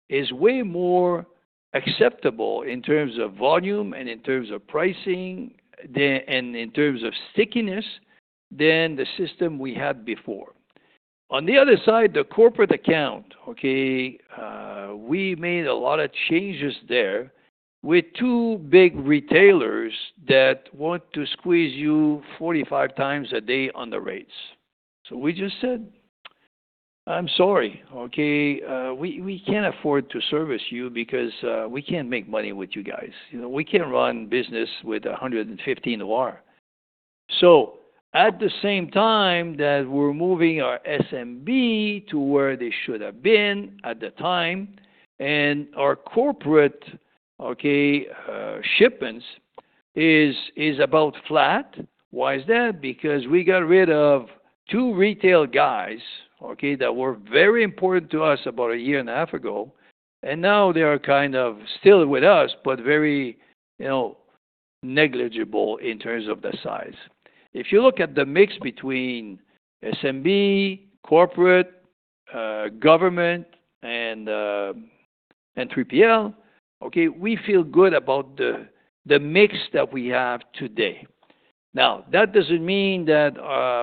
is way more acceptable in terms of volume and in terms of pricing and in terms of stickiness than the system we had before. On the other side, the corporate account, okay, we made a lot of changes there with two big retailers that want to squeeze you 45 times a day on the rates. We just said, "I'm sorry, okay? We can't afford to service you because we can't make money with you guys. You know, we can't run business with a 150 OR." At the same time that we're moving our SMB to where they should have been at the time, and our corporate, okay, shipments is about flat. Why is that? Because we got rid of two retail guys, okay, that were very important to us about a year and a half ago, and now they are kind of still with us, but very, you know, negligible in terms of the size. If you look at the mix between SMB, corporate, government and 3PL, okay, we feel good about the mix that we have today. Now, that doesn't mean that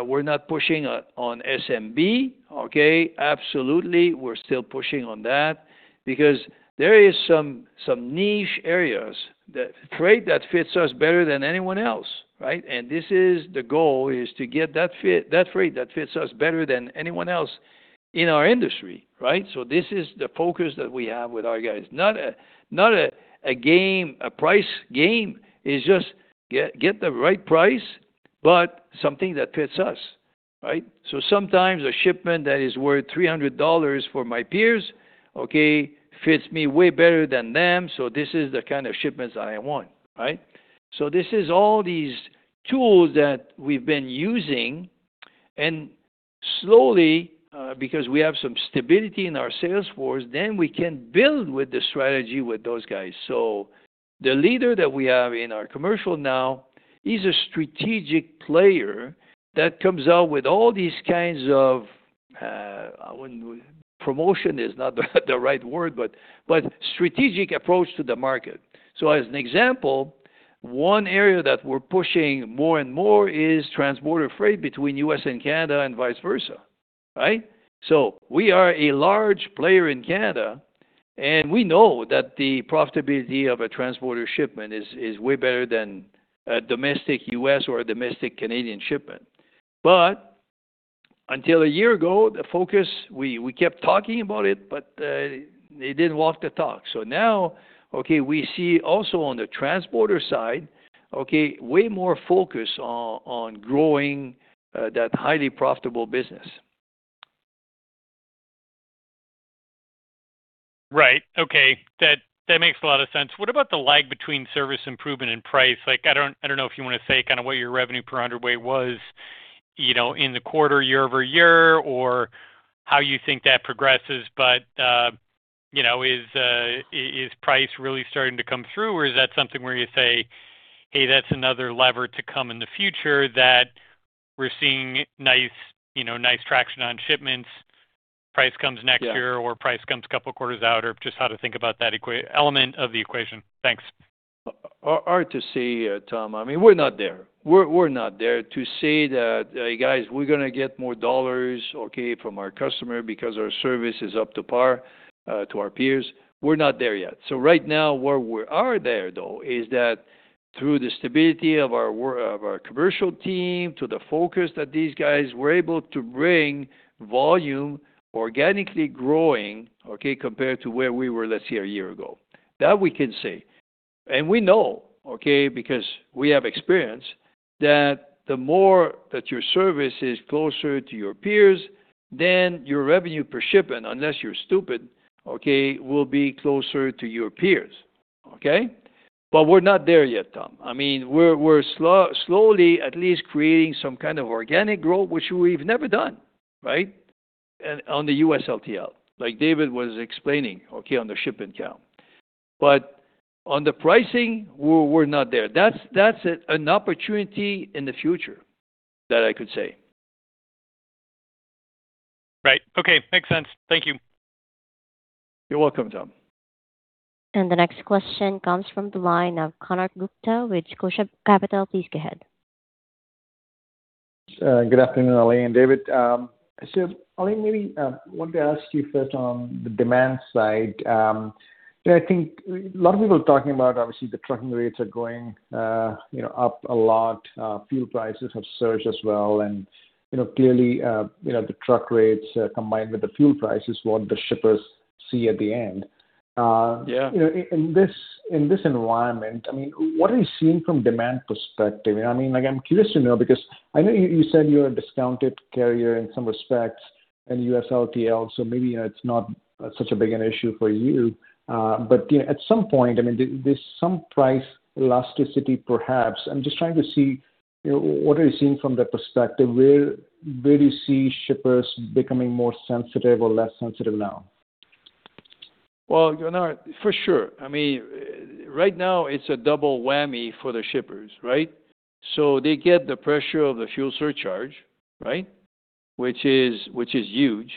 we're not pushing on SMB, okay? Absolutely, we're still pushing on that because there is some niche areas that freight that fits us better than anyone else, right? This is the goal, is to get that fit, that freight that fits us better than anyone else in our industry, right? This is the focus that we have with our guys. Not a price game. It's just get the right price, but something that fits us, right? Sometimes a shipment that is worth $300 for my peers, okay, fits me way better than them, so this is the kind of shipments I want, right? This is all these tools that we've been using, and slowly, because we have some stability in our sales force, then we can build with the strategy with those guys. The leader that we have in our commercial now is a strategic player that comes out with all these kinds of, promotion is not the right word, but strategic approach to the market. As an example, one area that we're pushing more and more is transborder freight between U.S. and Canada and vice versa, right? We are a large player in Canada, and we know that the profitability of a transborder shipment is way better than a domestic U.S. or a domestic Canadian shipment. Until a year ago, the focus, we kept talking about it, but it didn't walk the talk. Now, okay, we see also on the transporter side, okay, way more focus on growing that highly profitable business. Okay. That makes a lot of sense. What about the lag between service improvement and price? Like, I don't know if you wanna say kinda what your revenue per hundredweight was, you know, in the quarter year-over-year or how you think that progresses. You know, is price really starting to come through, or is that something where you say, "Hey, that's another lever to come in the future that we're seeing nice, you know, nice traction on shipments, price comes next year- Yeah. or price comes a couple quarters out, or just how to think about that element of the equation." Thanks. Hard to say, Tom. I mean, we're not there. We're not there to say that, "Hey guys, we're gonna get more dollars, okay, from our customer because our service is up to par to our peers." We're not there yet. Right now where we are there, though, is that through the stability of our of our commercial team, to the focus that these guys were able to bring volume organically growing, okay, compared to where we were, let's say, a year ago. That we can say. We know, okay, because we have experience, that the more that your service is closer to your peers, then your revenue per shipment, unless you're stupid, okay, will be closer to your peers, okay? We're not there yet, Tom. I mean, we're slowly at least creating some kind of organic growth, which we've never done, right, on the U.S. LTL, like David was explaining, okay, on the shipment count. On the pricing, we're not there. That's an opportunity in the future that I could say. Right. Okay. Makes sense. Thank you. You're welcome, Tom. The next question comes from the line of Konark Gupta with Scotiabank. Please go ahead. Good afternoon, Alain and David. Alain, maybe I want to ask you first on the demand side. You know, I think a lot of people are talking about obviously the trucking rates are going, you know, up a lot. Fuel prices have surged as well. You know, clearly, you know, the truck rates combined with the fuel price is what the shippers see at the end. Yeah. You know, in this environment, I mean, what are you seeing from demand perspective? You know what I mean? Like, I'm curious to know because I know you said you're a discounted carrier in some respects in U.S. LTL, so maybe it's not such a big an issue for you. You know, at some point, I mean, there's some price elasticity perhaps. I'm just trying to see, you know, what are you seeing from that perspective. Where do you see shippers becoming more sensitive or less sensitive now? Well, Konark, for sure. I mean, right now it's a double whammy for the shippers, right? They get the pressure of the fuel surcharge, right, which is huge.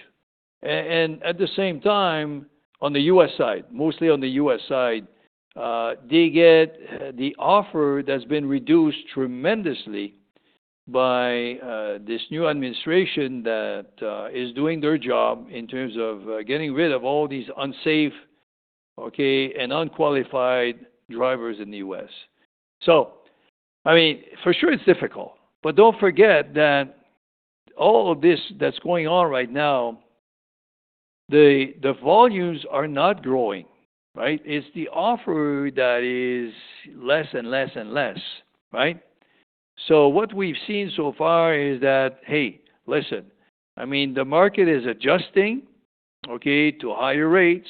At the same time, on the U.S. side, mostly on the U.S. side, they get the offer that's been reduced tremendously by this new administration that is doing their job in terms of getting rid of all these unsafe, okay, and unqualified drivers in the U.S. I mean, for sure it's difficult. Don't forget that all of this that's going on right now, the volumes are not growing, right? It's the offer that is less and less and less, right? What we've seen so far is that, hey, listen, I mean, the market is adjusting, okay, to higher rates,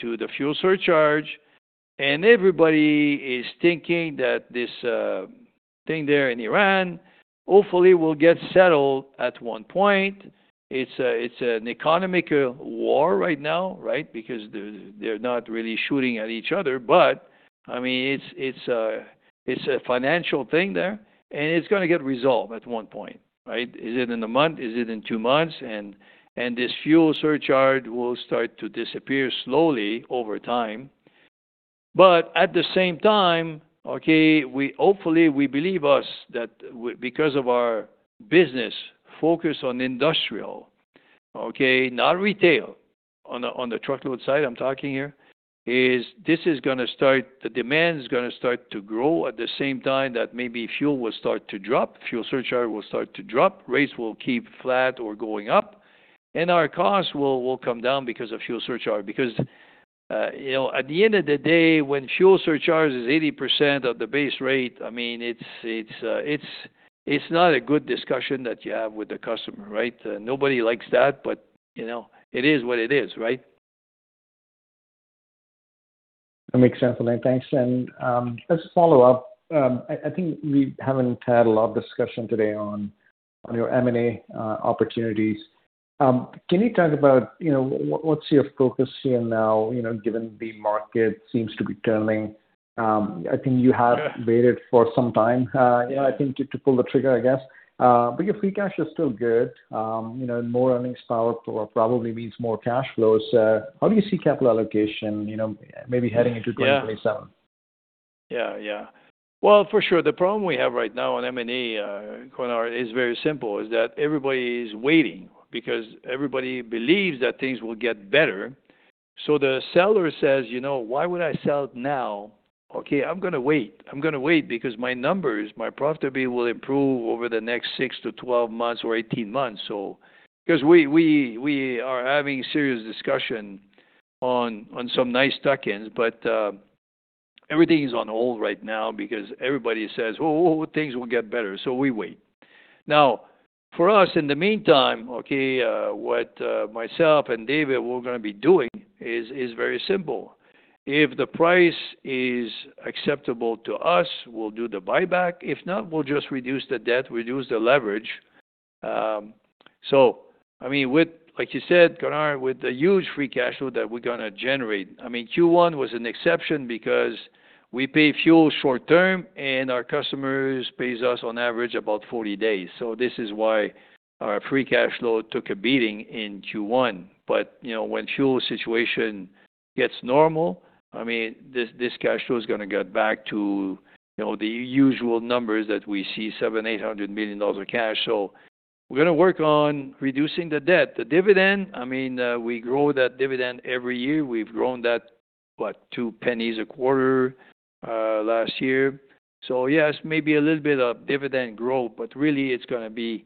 to the fuel surcharge, and everybody is thinking that this thing there in Iran hopefully will get settled at one point. It's an economic war right now, right? Because they're not really shooting at each other. I mean, it's a financial thing there, and it's gonna get resolved at one point, right? Is it in a month? Is it in two months? This fuel surcharge will start to disappear slowly over time. At the same time, okay, we hopefully believe that because of our business focus on industrial, okay, not retail, on the truckload side I'm talking here, this is gonna start... The demand is gonna start to grow at the same time that maybe fuel will start to drop, fuel surcharge will start to drop, rates will keep flat or going up, and our costs will come down because of fuel surcharge. Because you know, at the end of the day, when fuel surcharge is 80% of the base rate, I mean, it's not a good discussion that you have with the customer, right? Nobody likes that, but you know, it is what it is, right? That makes sense, Alain. Thanks. As a follow-up, I think we haven't had a lot of discussion today on your M&A opportunities. Can you talk about, you know, what's your focus here now, you know, given the market seems to be turning? I think you have- Yeah. Waited for some time, you know. Yeah. I think to pull the trigger, I guess. Your free cash is still good. You know, more earnings power probably means more cash flows. How do you see capital allocation, you know, maybe heading into 2027? Yeah. Yeah, yeah. Well, for sure the problem we have right now on M&A, Konark, is very simple, that everybody is waiting because everybody believes that things will get better. The seller says, "You know, why would I sell now? Okay, I'm gonna wait. I'm gonna wait because my numbers, my profitability will improve over the next six to 12 months or 18 months." Because we are having serious discussion on some nice tuck-ins. Everything is on hold right now because everybody says, "Whoa, whoa, things will get better." We wait. Now, for us in the meantime, myself and David we're gonna be doing is very simple. If the price is acceptable to us, we'll do the buyback. If not, we'll just reduce the debt, reduce the leverage. I mean, with like you said, Konark, with the huge free cash flow that we're gonna generate, I mean, Q1 was an exception because we pay fuel short-term, and our customers pays us on average about 40 days. This is why our free cash flow took a beating in Q1. You know, when fuel situation gets normal, I mean, this cash flow is gonna get back to, you know, the usual numbers that we see, $700 million-$800 million of cash. We're gonna work on reducing the debt. The dividend, I mean, we grow that dividend every year. We've grown that, what? $0.02 a quarter last year. Yes, maybe a little bit of dividend growth, but really it's gonna be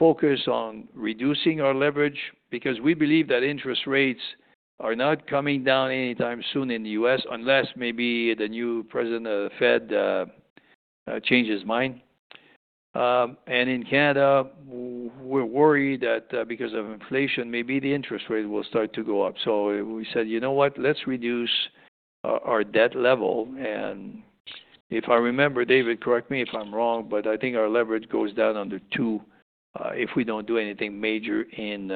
focused on reducing our leverage because we believe that interest rates are not coming down anytime soon in the U.S., unless maybe the new president of the Fed changes mind. And in Canada, we're worried that, because of inflation, maybe the interest rates will start to go up. We said, "You know what? Let's reduce our debt level." If I remember, David, correct me if I'm wrong, but I think our leverage goes down under two, if we don't do anything major in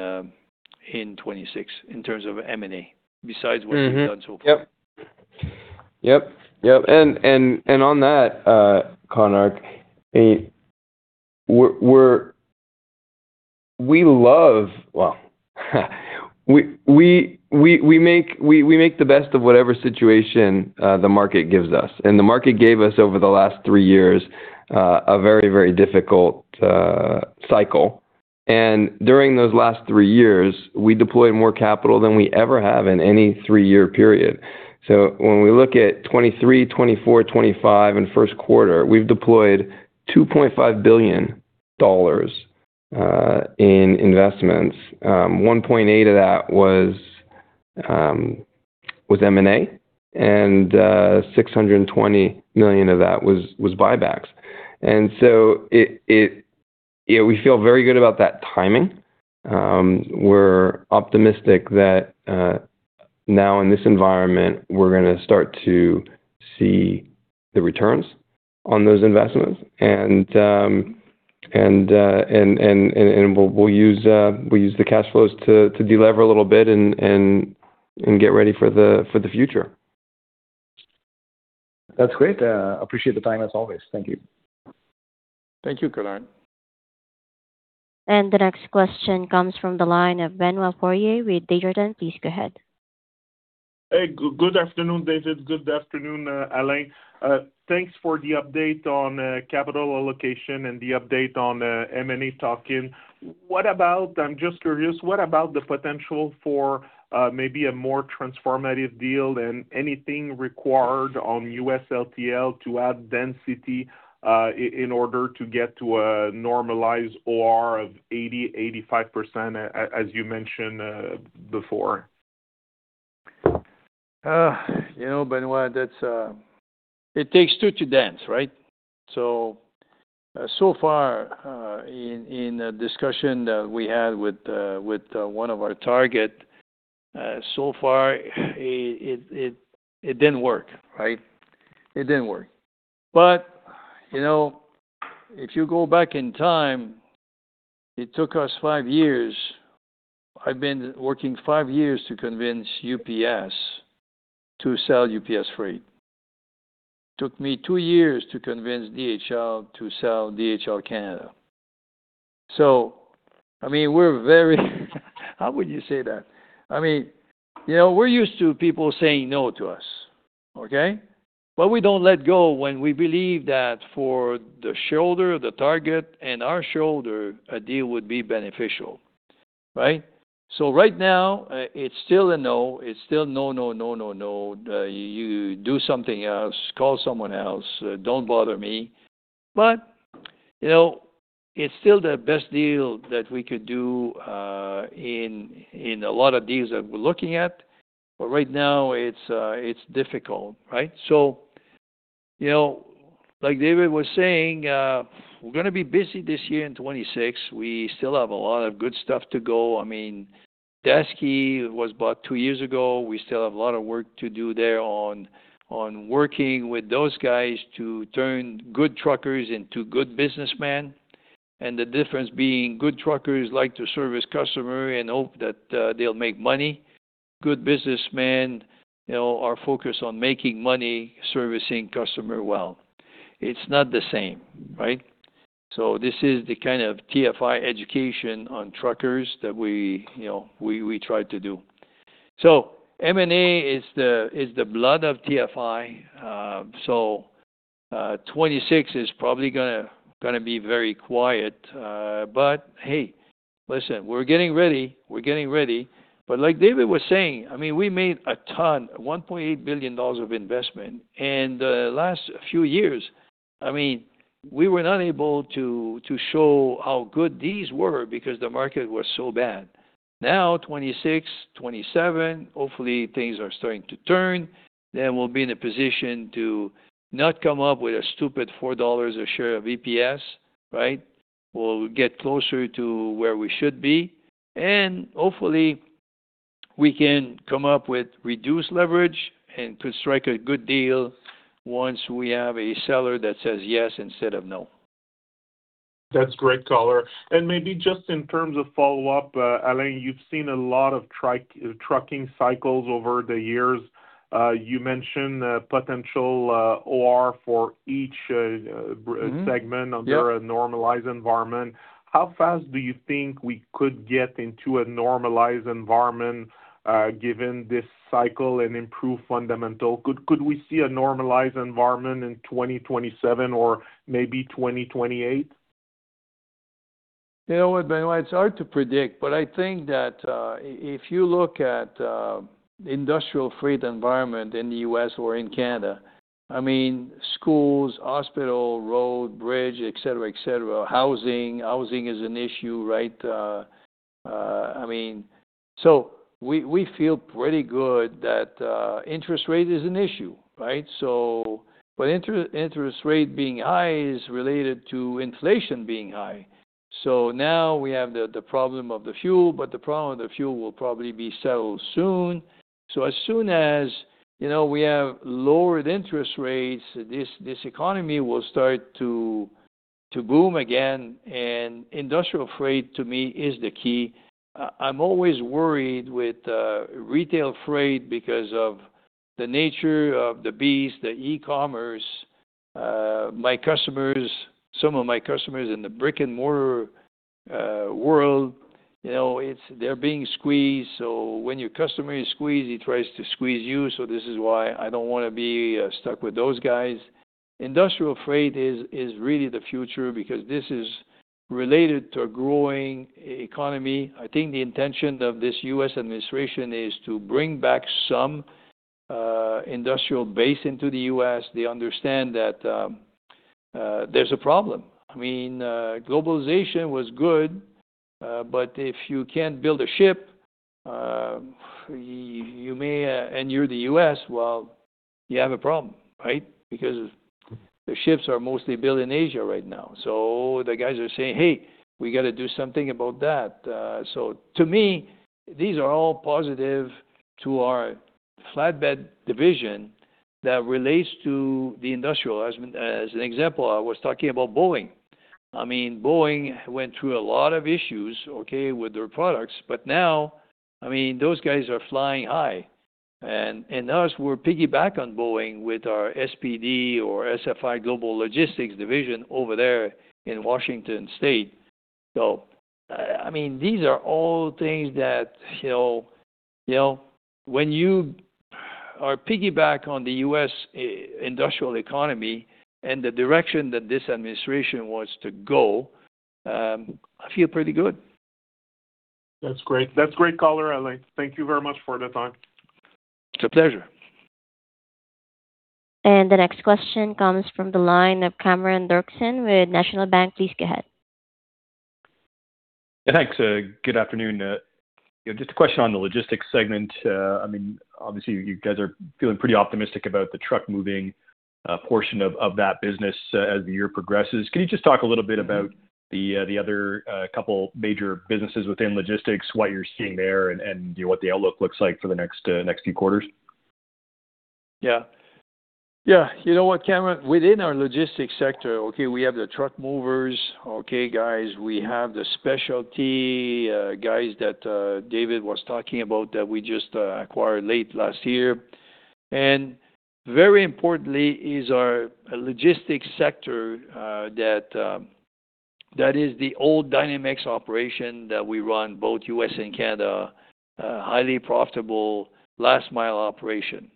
2026 in terms of M&A, besides what we've done so far. Konark, we make the best of whatever situation the market gives us. The market gave us over the last three years a very difficult cycle. During those last three years, we deployed more capital than we ever have in any three-year period. When we look at 2023, 2024, 2025, and first quarter, we've deployed $2.5 billion in investments. $1.8 billion of that was M&A, and $620 million of that was buybacks. We feel very good about that timing. We're optimistic that now in this environment, we're gonna start to see the returns on those investments. We'll use the cash flows to delever a little bit and get ready for the future. That's great. Appreciate the time as always. Thank you. Thank you, Konark. The next question comes from the line of Benoit Poirier with Desjardins. Please go ahead. Hey. Good afternoon, David. Good afternoon, Alain. Thanks for the update on capital allocation and the update on M&A talk. What about. I'm just curious, what about the potential for maybe a more transformative deal and anything required on U.S. LTL to add density, in order to get to a normalized OR of 80%-85% as you mentioned before? You know, Benoit, that's. It takes two to dance, right? So far, in a discussion that we had with one of our target, it didn't work, right? It didn't work. You know, if you go back in time, it took us five years. I've been working five years to convince UPS to sell UPS Freight. Took me two years to convince DHL to sell DHL Canada. So I mean, we're very how would you say that? I mean, you know, we're used to people saying no to us, okay? We don't let go when we believe that for the shareholder, the target and our shareholder, a deal would be beneficial, right? Right now, it's still a no. It's still no, no, no. You do something else. Call someone else. Don't bother me. You know, it's still the best deal that we could do in a lot of deals that we're looking at. Right now it's difficult, right? You know, like David was saying, we're gonna be busy this year in 2026. We still have a lot of good stuff to go. I mean, Daseke was bought two years ago. We still have a lot of work to do there on working with those guys to turn good truckers into good businessmen. The difference being good truckers like to service customer and hope that they'll make money. Good businessmen, you know, are focused on making money servicing customer well. It's not the same, right? This is the kind of TFI education on truckers that we try to do. M&A is the blood of TFI. 2026 is probably gonna be very quiet. Hey, listen, we're getting ready. Like David was saying, I mean, we made a ton, $1.8 billion of investment. The last few years, I mean, we were not able to show how good these were because the market was so bad. Now 2026, 2027, hopefully things are starting to turn. We'll be in a position to not come up with a stupid $4 a share of EPS, right? We'll get closer to where we should be, and hopefully we can come up with reduced leverage and could strike a good deal once we have a seller that says yes instead of no. That's great color. Maybe just in terms of follow-up, Alain, you've seen a lot of trucking cycles over the years. You mentioned potential OR for each. Mm-hmm. Yep.... segment under a normalized environment. How fast do you think we could get into a normalized environment, given this cycle and improved fundamentals? Could we see a normalized environment in 2027 or maybe 2028? You know what, Benoit? It's hard to predict, but I think that if you look at industrial freight environment in the U.S. or in Canada, I mean, schools, hospital, road, bridge, et cetera, et cetera, housing. Housing is an issue, right? I mean, we feel pretty good that interest rate is an issue, right? Interest rate being high is related to inflation being high. Now we have the problem of the fuel, but the problem with the fuel will probably be settled soon. As soon as, you know, we have lowered interest rates, this economy will start to boom again. Industrial freight, to me, is the key. I'm always worried with retail freight because of the nature of the beast, the e-commerce. My customers, some of my customers in the brick-and-mortar world, you know, it's, they're being squeezed. When your customer is squeezed, he tries to squeeze you, so this is why I don't wanna be stuck with those guys. Industrial freight is really the future because this is related to a growing economy. I think the intention of this U.S. administration is to bring back some industrial base into the U.S. They understand that there's a problem. I mean, globalization was good, but if you can't build a ship and you're the U.S., well, you have a problem, right? Because the ships are mostly built in Asia right now. The guys are saying, "Hey, we gotta do something about that." To me, these are all positive to our flatbed division that relates to the industrial. As an example, I was talking about Boeing. I mean, Boeing went through a lot of issues, okay, with their products. But now, I mean, those guys are flying high. And us, we're piggyback on Boeing with our SPD or TFI Global Logistics division over there in Washington State. I mean, these are all things that, you know, when you are piggyback on the U.S. industrial economy and the direction that this administration wants to go, I feel pretty good. That's great. That's great color, Alain. Thank you very much for the time. It's a pleasure. The next question comes from the line of Cameron Doerksen with National Bank. Please go ahead. Yeah, thanks. Good afternoon. You know, just a question on the logistics segment. I mean, obviously you guys are feeling pretty optimistic about the truckload portion of that business as the year progresses. Can you just talk a little bit about the other couple major businesses within logistics, what you're seeing there and, you know, what the outlook looks like for the next few quarters? Yeah. Yeah. You know what, Cameron? Within our logistics sector, okay, we have the truck movers, okay, guys. We have the specialty guys that David was talking about that we just acquired late last year. Very importantly is our logistics sector that is the old Dynamex operation that we run both U.S. and Canada. Highly profitable last mile operation.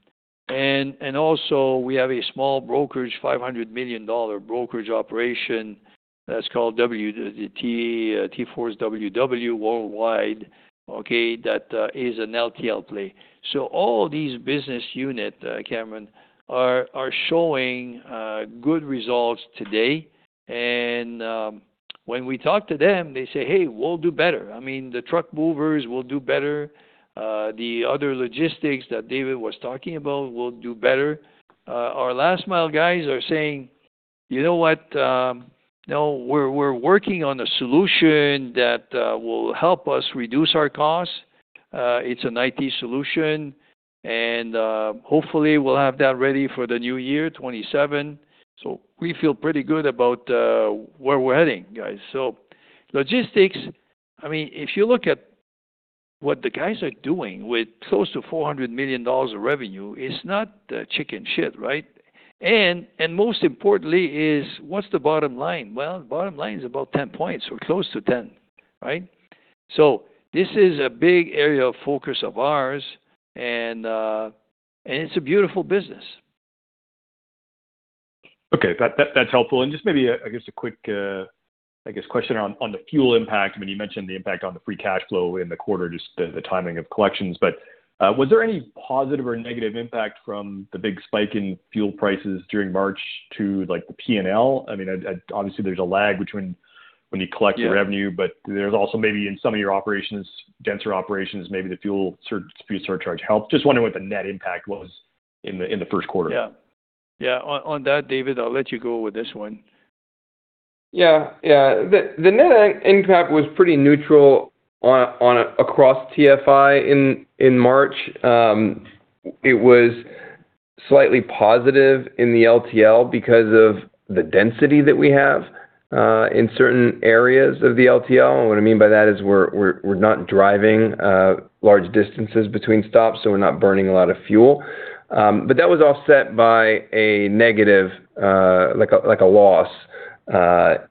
Also we have a small brokerage, $500 million brokerage operation that's called WT, TForce Worldwide, okay? That is an LTL play. All these business unit, Cameron, are showing good results today. When we talk to them, they say, "Hey, we'll do better." I mean, the truck movers will do better. The other logistics that David was talking about will do better. Our last mile guys are saying, "You know what? You know, we're working on a solution that will help us reduce our costs. It's an IT solution, and hopefully we'll have that ready for the new year, 2027." We feel pretty good about where we're heading, guys. Logistics, I mean, if you look at what the guys are doing with close to $400 million of revenue, it's not chicken shit, right? Most importantly is what's the bottom line? Well, the bottom line is about 10 points or close to 10, right? This is a big area of focus of ours, and it's a beautiful business. Okay. That's helpful. Just maybe, I guess, a quick question on the fuel impact. I mean, you mentioned the impact on the free cash flow in the quarter, just the timing of collections. Was there any positive or negative impact from the big spike in fuel prices during March to like the P&L? I mean, obviously there's a lag between when you collect- Yeah. the revenue, but there's also maybe in some of your operations, denser operations, maybe the fuel surcharge helped. Just wondering what the net impact was in the first quarter. Yeah. Yeah. On that, David, I'll let you go with this one. The net income was pretty neutral across TFI in March. It was slightly positive in the LTL because of the density that we have in certain areas of the LTL. What I mean by that is we're not driving large distances between stops, so we're not burning a lot of fuel. But that was offset by a negative like a loss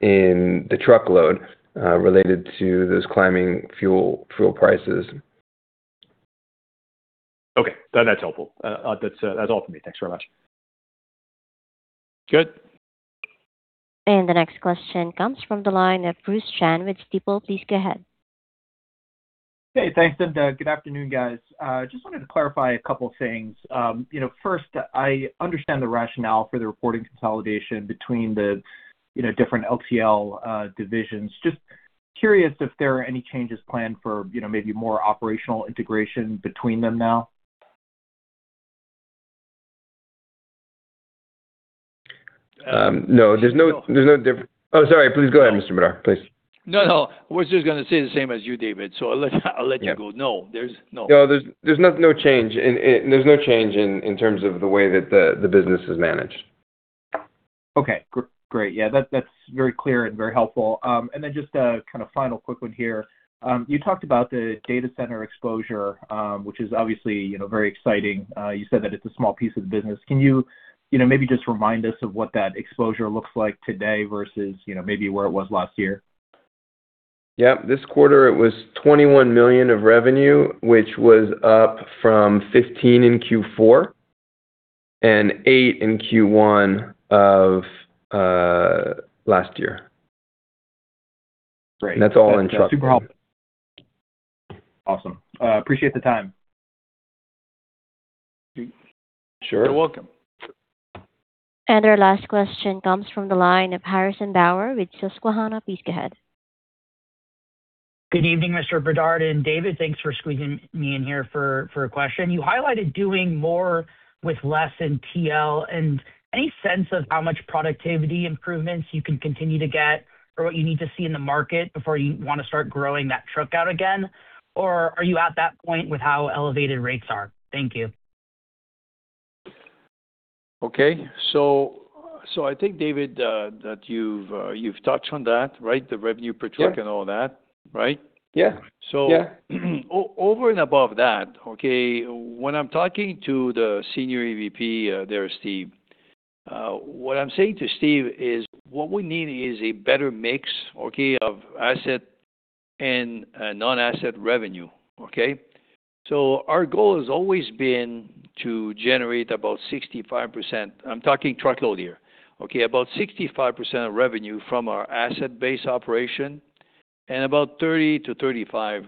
in the truckload related to those climbing fuel prices. Okay. That's helpful. That's all for me. Thanks very much. Good. The next question comes from the line of Bruce Chan with Stifel. Please go ahead. Hey, thanks. Good afternoon, guys. Just wanted to clarify a couple of things. You know, first, I understand the rationale for the reporting consolidation between the different LTL divisions. Just curious if there are any changes planned for, you know, maybe more operational integration between them now. Um- No, there's no. No. Please go ahead, Mr. Bédard. Please. No, no. I was just gonna say the same as you, David. I'll let you go. Yeah. No. No. No. There's no change in terms of the way that the business is managed. Okay. Great. Yeah. That's very clear and very helpful. Just a kinda final quick one here. You talked about the data center exposure, which is obviously, you know, very exciting. You said that it's a small piece of the business. Can you know, maybe just remind us of what that exposure looks like today versus, you know, maybe where it was last year? Yeah. This quarter it was $21 million of revenue, which was up from $15 million in Q4 and $8 million in Q1 of last year. Great. That's all in trucking. That's super helpful. Awesome. Appreciate the time. Sure. You're welcome. Our last question comes from the line of Harrison Bauer with Susquehanna. Please go ahead. Good evening, Mr. Bédard and David. Thanks for squeezing me in here for a question. You highlighted doing more with less in TL. Any sense of how much productivity improvements you can continue to get or what you need to see in the market before you wanna start growing that truck out again? Or are you at that point with how elevated rates are? Thank you. Okay. I think, David, that you've touched on that, right? The revenue per truck- Yeah. all that, right? Yeah. Yeah. Over and above that, okay, when I'm talking to the senior EVP there, Steve, what I'm saying to Steve is what we need is a better mix, okay, of asset and non-asset revenue. Our goal has always been to generate about 65%. I'm talking truckload here. Okay, about 65% of revenue from our asset-based operation and about 30%-35%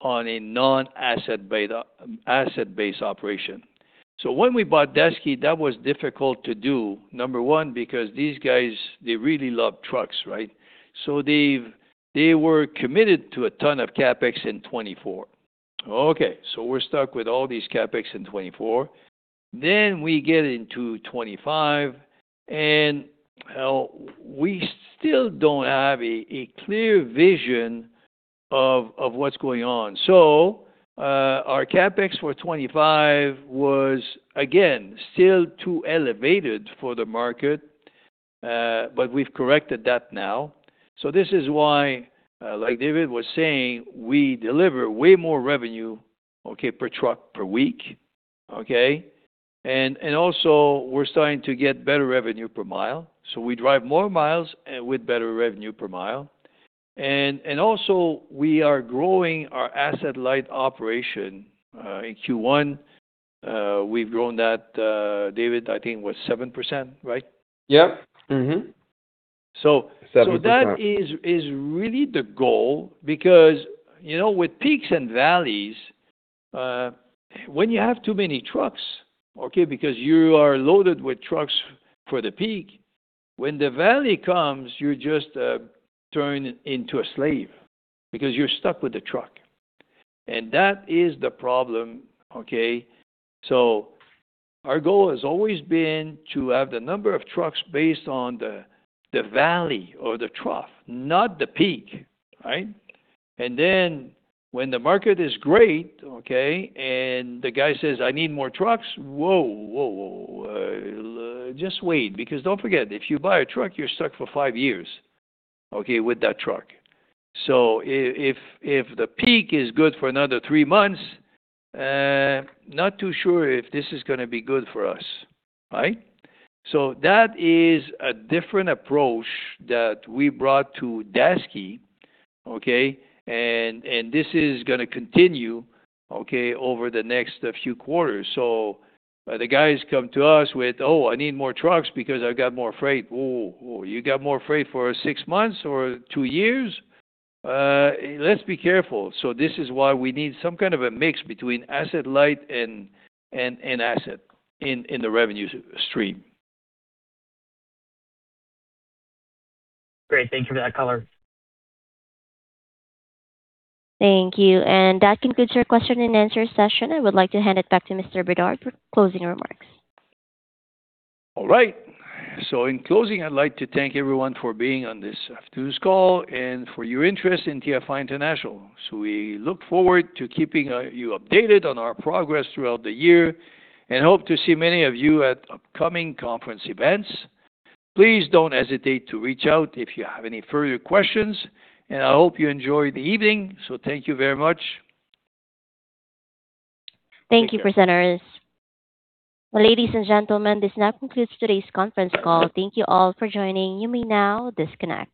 on a non-asset-based operation. When we bought Daseke, that was difficult to do, number one, because these guys, they really love trucks, right? They were committed to a ton of CapEx in 2024. Okay. We're stuck with all these CapEx in 2024. We get into 2025, and, well, we still don't have a clear vision of what's going on. Our CapEx for 2025 was, again, still too elevated for the market, but we've corrected that now. This is why, like David was saying, we deliver way more revenue, okay, per truck per week. Okay? Also we're starting to get better revenue/mi. We drive more miles, with better revenue/mi. Also we are growing our asset-light operation. In Q1, we've grown that, David, I think it was 7%, right? Yeah. Mm-hmm. So- 7%. That is really the goal because, you know, with peaks and valleys, when you have too many trucks, okay, because you are loaded with trucks for the peak, when the valley comes, you just turn into a slave because you're stuck with the truck. That is the problem, okay? Our goal has always been to have the number of trucks based on the valley or the trough, not the peak, right? Then when the market is great, okay, and the guy says, "I need more trucks." Whoa, whoa, just wait. Because don't forget, if you buy a truck, you're stuck for five years, okay, with that truck. If the peak is good for another three months, not too sure if this is gonna be good for us, right? That is a different approach that we brought to Daseke, okay? And this is gonna continue, okay, over the next few quarters. The guys come to us with, "Oh, I need more trucks because I've got more freight." Oh, you got more freight for six months or two years? Let's be careful. This is why we need some kind of a mix between asset light and asset in the revenue stream. Great. Thank you for that color. Thank you. That concludes your question and answer session. I would like to hand it back to Mr. Bédard for closing remarks. All right. In closing, I'd like to thank everyone for being on this afternoon's call and for your interest in TFI International. We look forward to keeping you updated on our progress throughout the year and hope to see many of you at upcoming conference events. Please don't hesitate to reach out if you have any further questions, and I hope you enjoy the evening. Thank you very much. Thank you, presenters. Ladies and gentlemen, this now concludes today's conference call. Thank you all for joining. You may now disconnect.